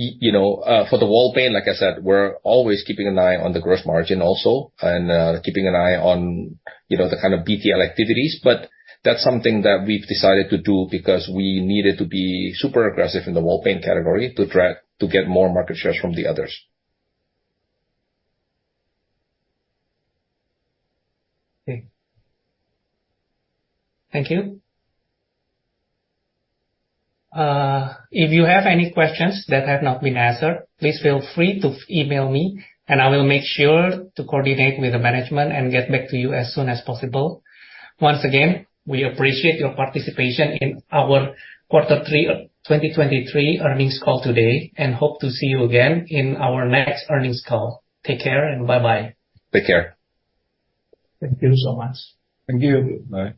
You know, for the wall paint, like I said, we're always keeping an eye on the gross margin also, and keeping an eye on, you know, the kind of BTL activities. But that's something that we've decided to do because we needed to be super aggressive in the wall paint category to drag, to get more market shares from the others. Okay. Thank you. If you have any questions that have not been answered, please feel free to email me, and I will make sure to coordinate with the management and get back to you as soon as possible. Once again, we appreciate your participation in our Q3 of 2023 earnings call today, and hope to see you again in our next earnings call. Take care and bye-bye. Take care. Thank you so much. Thank you. Bye.